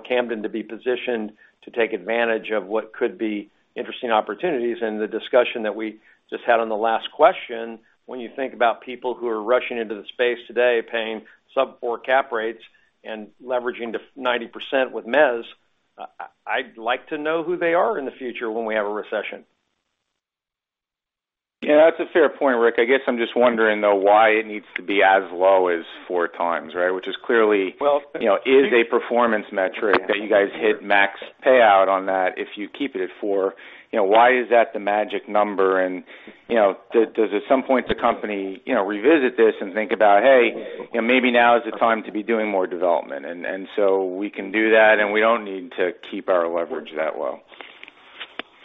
Camden to be positioned to take advantage of what could be interesting opportunities. The discussion that we just had on the last question, when you think about people who are rushing into the space today paying sub-4 cap rates and leveraging to 90% with MEZ, I'd like to know who they are in the future when we have a recession. Yeah, that's a fair point, Ric. I guess I'm just wondering, though, why it needs to be as low as 4x, right? Which is clearly a performance metric that you guys hit max payout on that if you keep it at four. Why is that the magic number? Does at some point the company revisit this and think about, hey, maybe now is the time to be doing more development, we can do that, and we don't need to keep our leverage that low?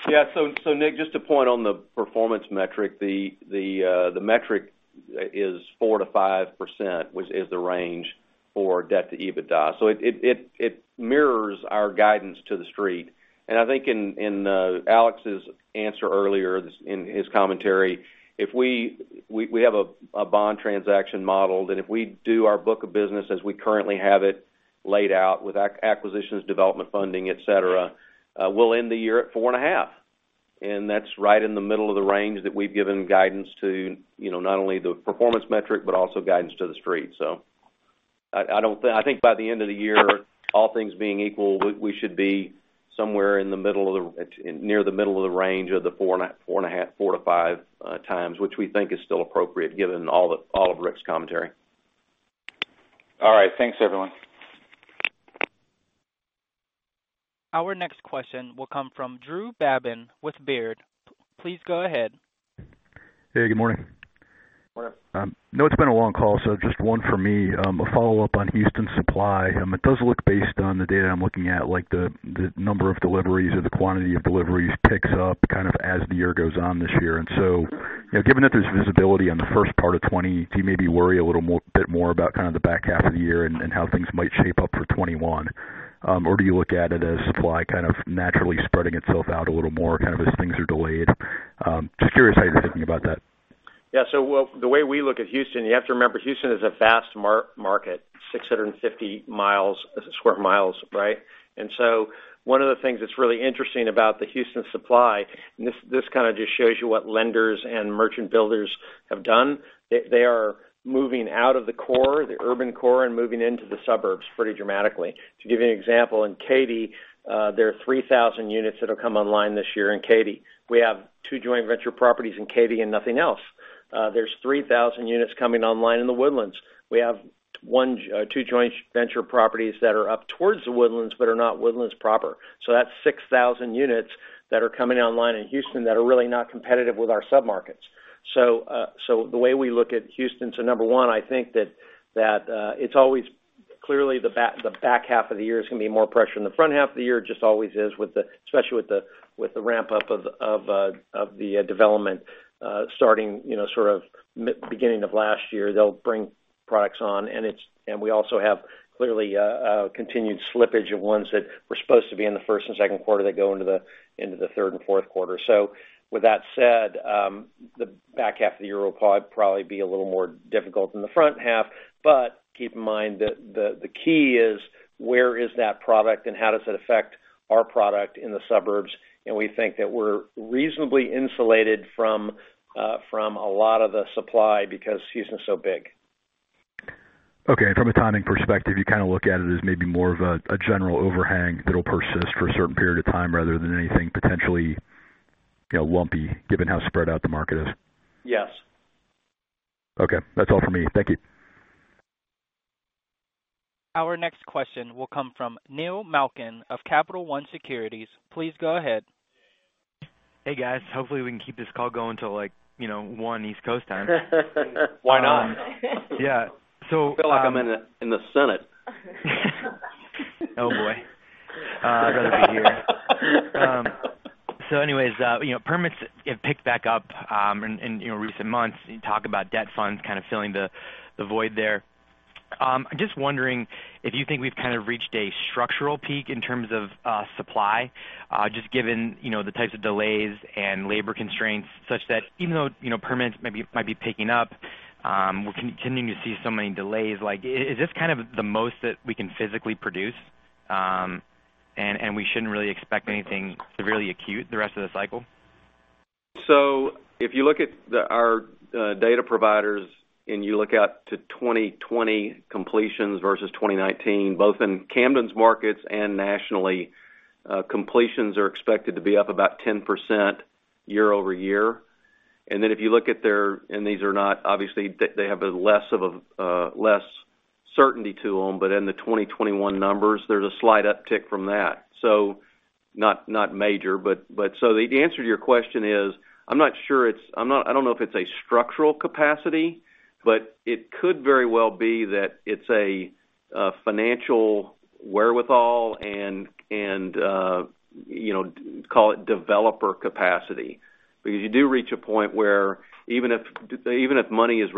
Nick, just to point on the performance metric, the metric is 4%-5%, which is the range for debt to EBITDA. It mirrors our guidance to the street. I think in Alex's answer earlier in his commentary, if we have a bond transaction model, then if we do our book of business as we currently have it laid out with acquisitions, development funding, et cetera, we'll end the year at 4.5%. That's right in the middle of the range that we've given guidance to, not only the performance metric, but also guidance to the street. I think by the end of the year, all things being equal, we should be somewhere near the middle of the range of the 4x-5x, which we think is still appropriate given all of Ric's commentary. All right. Thanks, everyone. Our next question will come from Drew Babin with Baird. Please go ahead. Hey, good morning. Morning. I know it's been a long call, so just one for me. A follow-up on Houston supply. It does look based on the data I'm looking at, like the number of deliveries or the quantity of deliveries picks up kind of as the year goes on this year. Given that there's visibility on the first part of 2020, do you maybe worry a little bit more about kind of the H2 of the year and how things might shape up for 2021? Do you look at it as supply kind of naturally spreading itself out a little more kind of as things are delayed? Just curious how you're thinking about that. Well, the way we look at Houston, you have to remember, Houston is a vast market, 650 square miles, right? One of the things that's really interesting about the Houston supply, and this kind of just shows you what lenders and merchant builders have done. They are moving out of the core, the urban core, and moving into the suburbs pretty dramatically. To give you an example, in Katy, there are 3,000 units that'll come online this year in Katy. We have two joint venture properties in Katy and nothing else. There's 3,000 units coming online in The Woodlands. We have two joint venture properties that are up towards The Woodlands, but are not Woodlands proper. That's 6,000 units that are coming online in Houston that are really not competitive with our sub-markets. The way we look at Houston, number one, I think that it's always clearly the back half of the year is going to be more pressure than the front half of the year. Just always is, especially with the ramp-up of the development starting sort of beginning of last year. They'll bring products on, and we also have clearly a continued slippage of ones that were supposed to be in the first and second quarter that go into Q3 and Q4. With that said, H2 of the year will probably be a little more difficult than H1. Keep in mind that the key is where is that product and how does it affect our product in the suburbs? We think that we're reasonably insulated from a lot of the supply because Houston's so big. Okay. From a timing perspective, you kind of look at it as maybe more of a general overhang that'll persist for a certain period of time rather than anything potentially lumpy, given how spread out the market is. Yes. Okay. That's all for me. Thank you. Our next question will come from Neil Malkin of Capital One Securities. Please go ahead. Hey, guys. Hopefully, we can keep this call going till like, 1:00 East Coast time. Why not? Yeah. Feel like I'm in the Senate. Oh, boy. I'd rather be here. Anyways, permits have picked back up in recent months. You talk about debt funds kind of filling the void there. I'm just wondering if you think we've kind of reached a structural peak in terms of supply, just given the types of delays and labor constraints such that even though permits might be picking up, we're continuing to see so many delays. Is this kind of the most that we can physically produce, and we shouldn't really expect anything severely acute the rest of the cycle? If you look at our data providers and you look out to 2020 completions versus 2019, both in Camden's markets and nationally, completions are expected to be up about 10% year-over-year. These are not, obviously, they have less certainty to them. In the 2021 numbers, there's a slight uptick from that. Not major, but the answer to your question is, I don't know if it's a structural capacity, but it could very well be that it's a financial wherewithal and call it developer capacity. You do reach a point where even if money is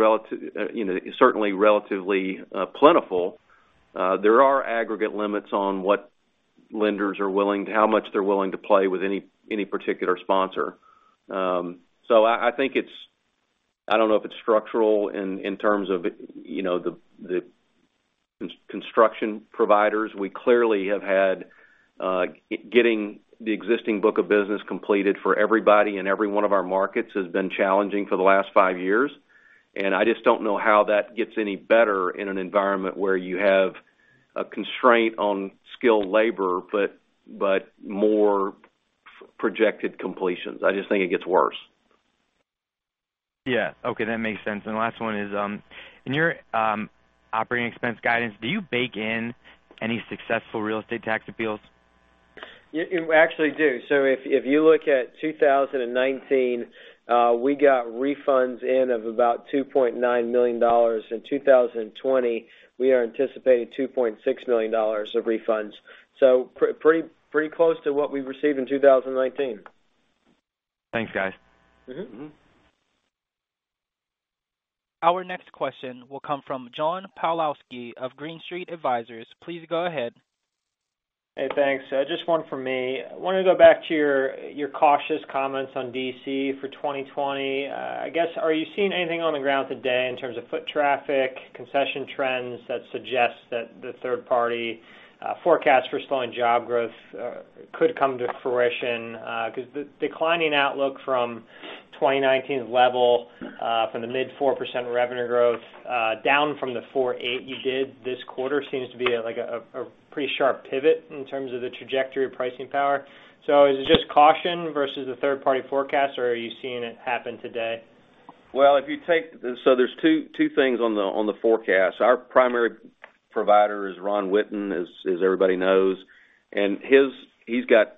certainly relatively plentiful, there are aggregate limits on how much they're willing to play with any particular sponsor. I don't know if it's structural in terms of the construction providers. We clearly have had getting the existing book of business completed for everybody in every one of our markets has been challenging for the last five years, I just don't know how that gets any better in an environment where you have a constraint on skilled labor, but more projected completions. I just think it gets worse. Yeah. Okay. That makes sense. The last one is, in your operating expense guidance, do you bake in any successful real estate tax appeals? We actually do. If you look at 2019, we got refunds in of about $2.9 million. In 2020, we are anticipating $2.6 million of refunds. Pretty close to what we've received in 2019. Thanks, guys. Our next question will come from John Pawlowski of Green Street Advisors. Please go ahead. Hey, thanks. Just one from me. I want to go back to your cautious comments on D.C. for 2020. Are you seeing anything on the ground today in terms of foot traffic, concession trends that suggests that the third-party forecast for slowing job growth could come to fruition? Because the declining outlook from 2019's level, from the mid 4% revenue growth, down from the 4.8% you did this quarter, seems to be like a pretty sharp pivot in terms of the trajectory of pricing power. Is it just caution versus the third-party forecast, or are you seeing it happen today? There's two things on the forecast. Our primary provider is Ron Witten, as everybody knows. He's got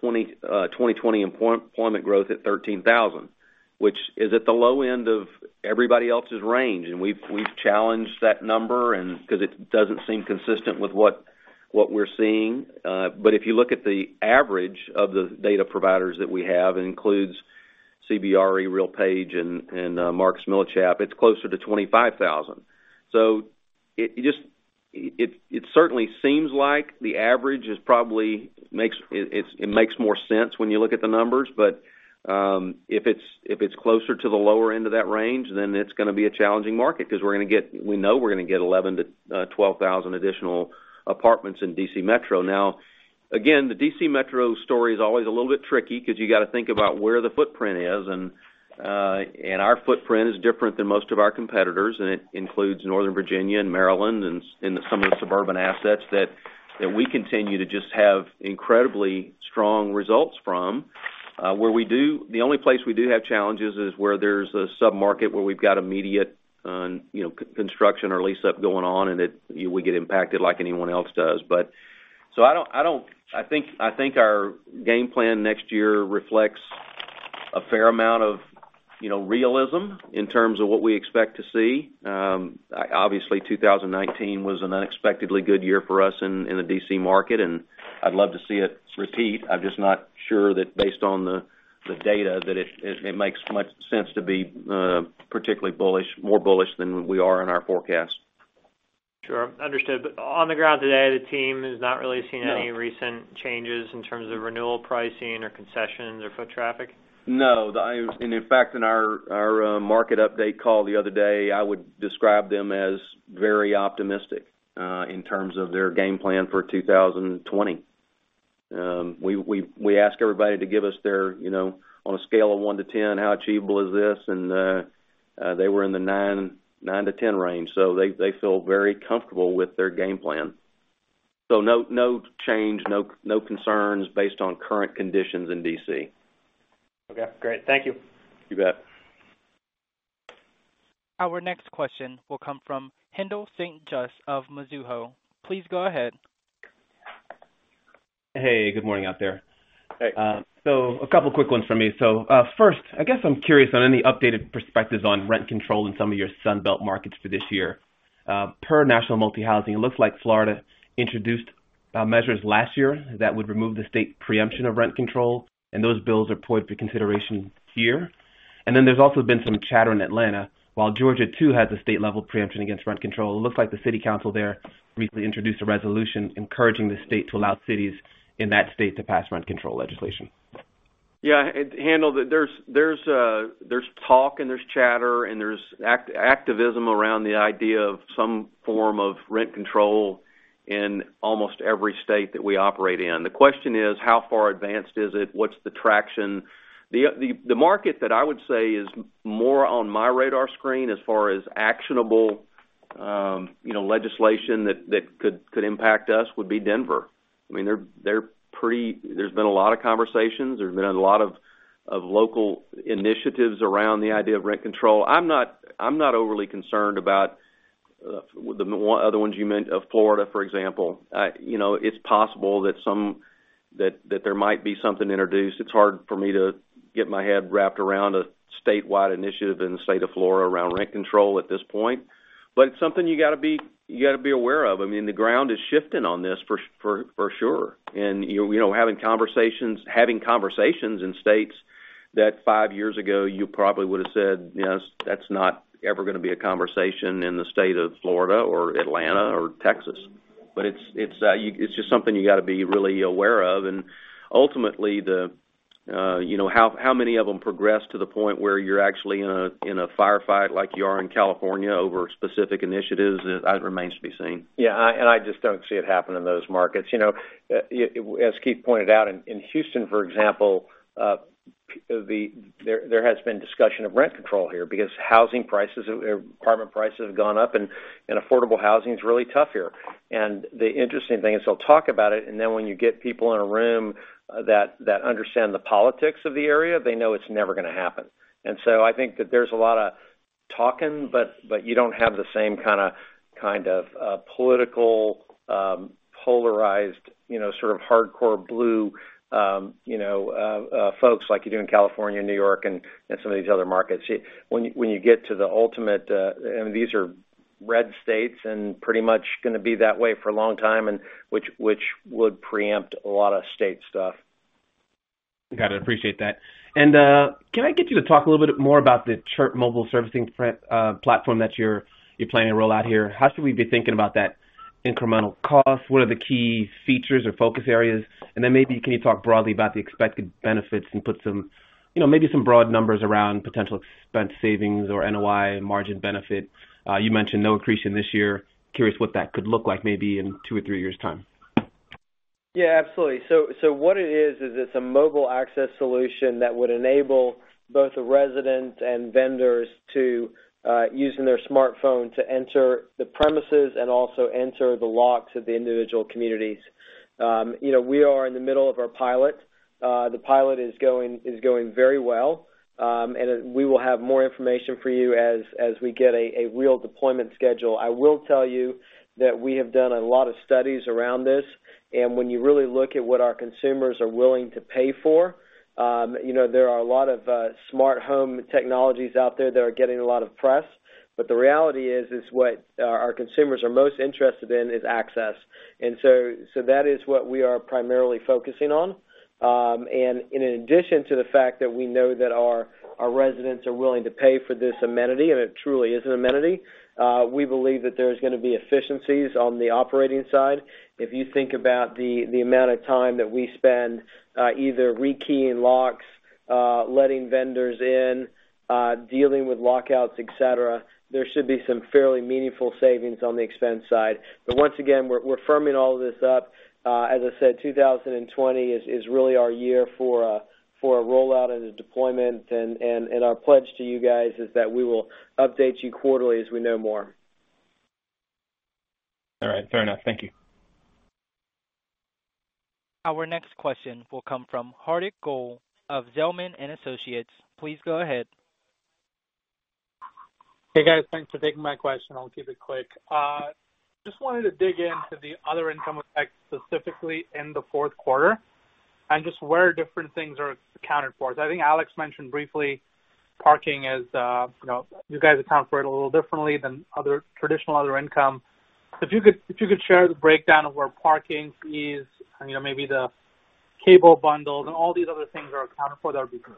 2020 employment growth at 13,000, which is at the low end of everybody else's range. We've challenged that number because it doesn't seem consistent with what we're seeing. If you look at the average of the data providers that we have, it includes CBRE, RealPage, and Marcus & Millichap, it's closer to 25,000. It certainly seems like the average probably makes more sense when you look at the numbers. If it's closer to the lower end of that range, it's going to be a challenging market because we know we're going to get 11,000-12,000 additional apartments in D.C. Metro. Again, the D.C. Metro story is always a little bit tricky because you got to think about where the footprint is, and our footprint is different than most of our competitors, and it includes Northern Virginia and Maryland and some of the suburban assets that we continue to just have incredibly strong results from. The only place we do have challenges is where there's a sub-market where we've got immediate construction or lease-up going on, and we get impacted like anyone else does. I think our game plan next year reflects a fair amount of realism in terms of what we expect to see. Obviously, 2019 was an unexpectedly good year for us in the D.C. market, and I'd love to see it repeat. I'm just not sure that based on the data, that it makes much sense to be particularly more bullish than we are in our forecast. Sure. Understood. On the ground today, the team has not really seen any recent changes in terms of renewal pricing or concessions or foot traffic? No. In fact, in our market update call the other day, I would describe them as very optimistic in terms of their game plan for 2020. We ask everybody to give us their, on a scale of 1-10, how achievable is this, and they were in the 9-10 range. They feel very comfortable with their game plan. No change, no concerns based on current conditions in D.C. Okay, great. Thank you. You bet. Our next question will come from Haendel St. Juste of Mizuho. Please go ahead. Hey, good morning out there. Hey. A couple of quick ones from me. First, I guess I'm curious on any updated perspectives on rent control in some of your Sun Belt markets for this year. Per National Multihousing, it looks like Florida introduced measures last year that would remove the state preemption of rent control, and those bills are poised for consideration here. Then there's also been some chatter in Atlanta, while Georgia too has a state-level preemption against rent control, it looks like the city council there recently introduced a resolution encouraging the state to allow cities in that state to pass rent control legislation. Yeah. Haendel, there's talk and there's chatter and there's activism around the idea of some form of rent control in almost every state that we operate in. The question is, how far advanced is it? What's the traction? The market that I would say is more on my radar screen as far as actionable legislation that could impact us would be Denver. There's been a lot of conversations, there's been a lot of local initiatives around the idea of rent control. I'm not overly concerned about the other ones you meant, Florida, for example. It's possible that there might be something introduced. It's hard for me to get my head wrapped around a statewide initiative in the state of Florida around rent control at this point. It's something you got to be aware of. I mean, the ground is shifting on this, for sure. Having conversations in states that five years ago, you probably would have said, "That's not ever going to be a conversation in the state of Florida or Atlanta or Texas." It's just something you got to be really aware of. Ultimately, how many of them progress to the point where you're actually in a firefight like you are in California over specific initiatives, that remains to be seen. Yeah, I just don't see it happen in those markets. As Keith pointed out, in Houston, for example, there has been discussion of rent control here because housing prices or apartment prices have gone up and affordable housing is really tough here. The interesting thing is they'll talk about it, and then when you get people in a room that understand the politics of the area, they know it's never going to happen. I think that there's a lot of talking, but you don't have the same kind of political, polarized, sort of hardcore blue folks like you do in California, New York, and some of these other markets. When you get to the ultimate, these are red states and pretty much going to be that way for a long time, which would preempt a lot of state stuff. Got it. Appreciate that. Can I get you to talk a little bit more about the Chirp mobile servicing platform that you're planning to roll out here? How should we be thinking about that incremental cost? What are the key features or focus areas? Then maybe can you talk broadly about the expected benefits and put maybe some broad numbers around potential expense savings or NOI margin benefit. You mentioned no accretion this year. Curious what that could look like maybe in two or three years' time. Absolutely. What it is it's a mobile access solution that would enable both the resident and vendors to, using their smartphone, to enter the premises and also enter the locks of the individual communities. We are in the middle of our pilot. The pilot is going very well. We will have more information for you as we get a real deployment schedule. I will tell you that we have done a lot of studies around this, when you really look at what our consumers are willing to pay for, there are a lot of smart home technologies out there that are getting a lot of press. The reality is what our consumers are most interested in is access. That is what we are primarily focusing on. In addition to the fact that we know that our residents are willing to pay for this amenity, and it truly is an amenity, we believe that there's going to be efficiencies on the operating side. If you think about the amount of time that we spend either re-keying locks, letting vendors in, dealing with lockouts, et cetera, there should be some fairly meaningful savings on the expense side. Once again, we're firming all of this up. As I said, 2020 is really our year for a rollout and a deployment, and our pledge to you guys is that we will update you quarterly as we know more. All right. Fair enough. Thank you. Our next question will come from Hardik Goel of Zelman & Associates. Please go ahead. Hey, guys. Thanks for taking my question. I'll keep it quick. Just wanted to dig into the other income effects, specifically in Q4, and just where different things are accounted for. I think Alex mentioned briefly parking is, you guys account for it a little differently than traditional other income. If you could share the breakdown of where parking fees, maybe the cable bundles, and all these other things are accounted for, that would be great.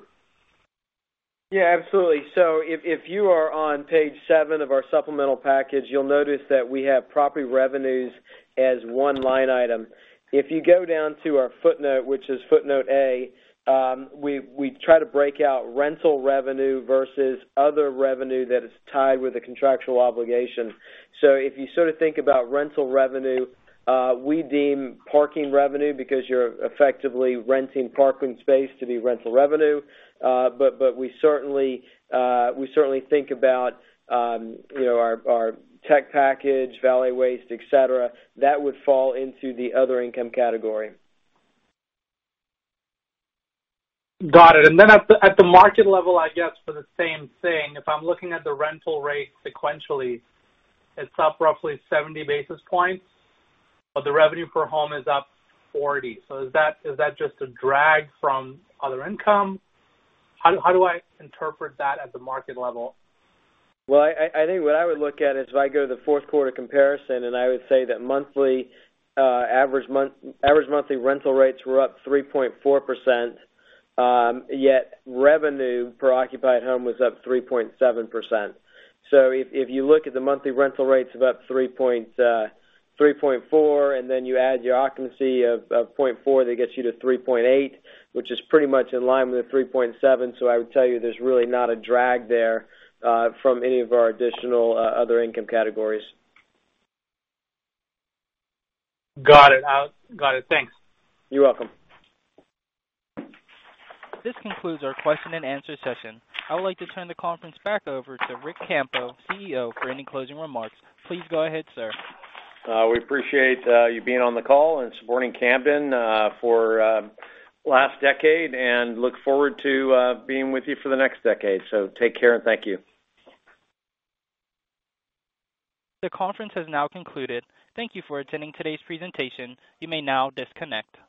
If you are on page seven of our supplemental package, you will notice that we have property revenues as one line item. If you go down to our footnote, which is footnote A, we try to break out rental revenue versus other revenue that is tied with a contractual obligation. If you sort of think about rental revenue, we deem parking revenue, because you are effectively renting parking space to be rental revenue. We certainly think about our tech package, valet waste, et cetera. That would fall into the other income category. Got it. At the market level, I guess for the same thing, if I'm looking at the rental rate sequentially, it's up roughly 70 basis points, but the revenue per home is up 40. Is that just a drag from other income? How do I interpret that at the market level? Well, I think what I would look at is if I go to Q4 comparison, I would say that average monthly rental rates were up 3.4%, yet revenue per occupied home was up 3.7%. If you look at the monthly rental rates of up 3.4%, then you add your occupancy of 0.4%, that gets you to 3.8%, which is pretty much in line with the 3.7%. I would tell you there's really not a drag there from any of our additional other income categories. Got it. Thanks. You're welcome. This concludes our question and answer session. I would like to turn the conference back over to Ric Campo, CEO, for any closing remarks. Please go ahead, sir. We appreciate you being on the call and supporting Camden for last decade, and look forward to being with you for the next decade. Take care and thank you. The conference has now concluded. Thank you for attending today's presentation. You may now disconnect.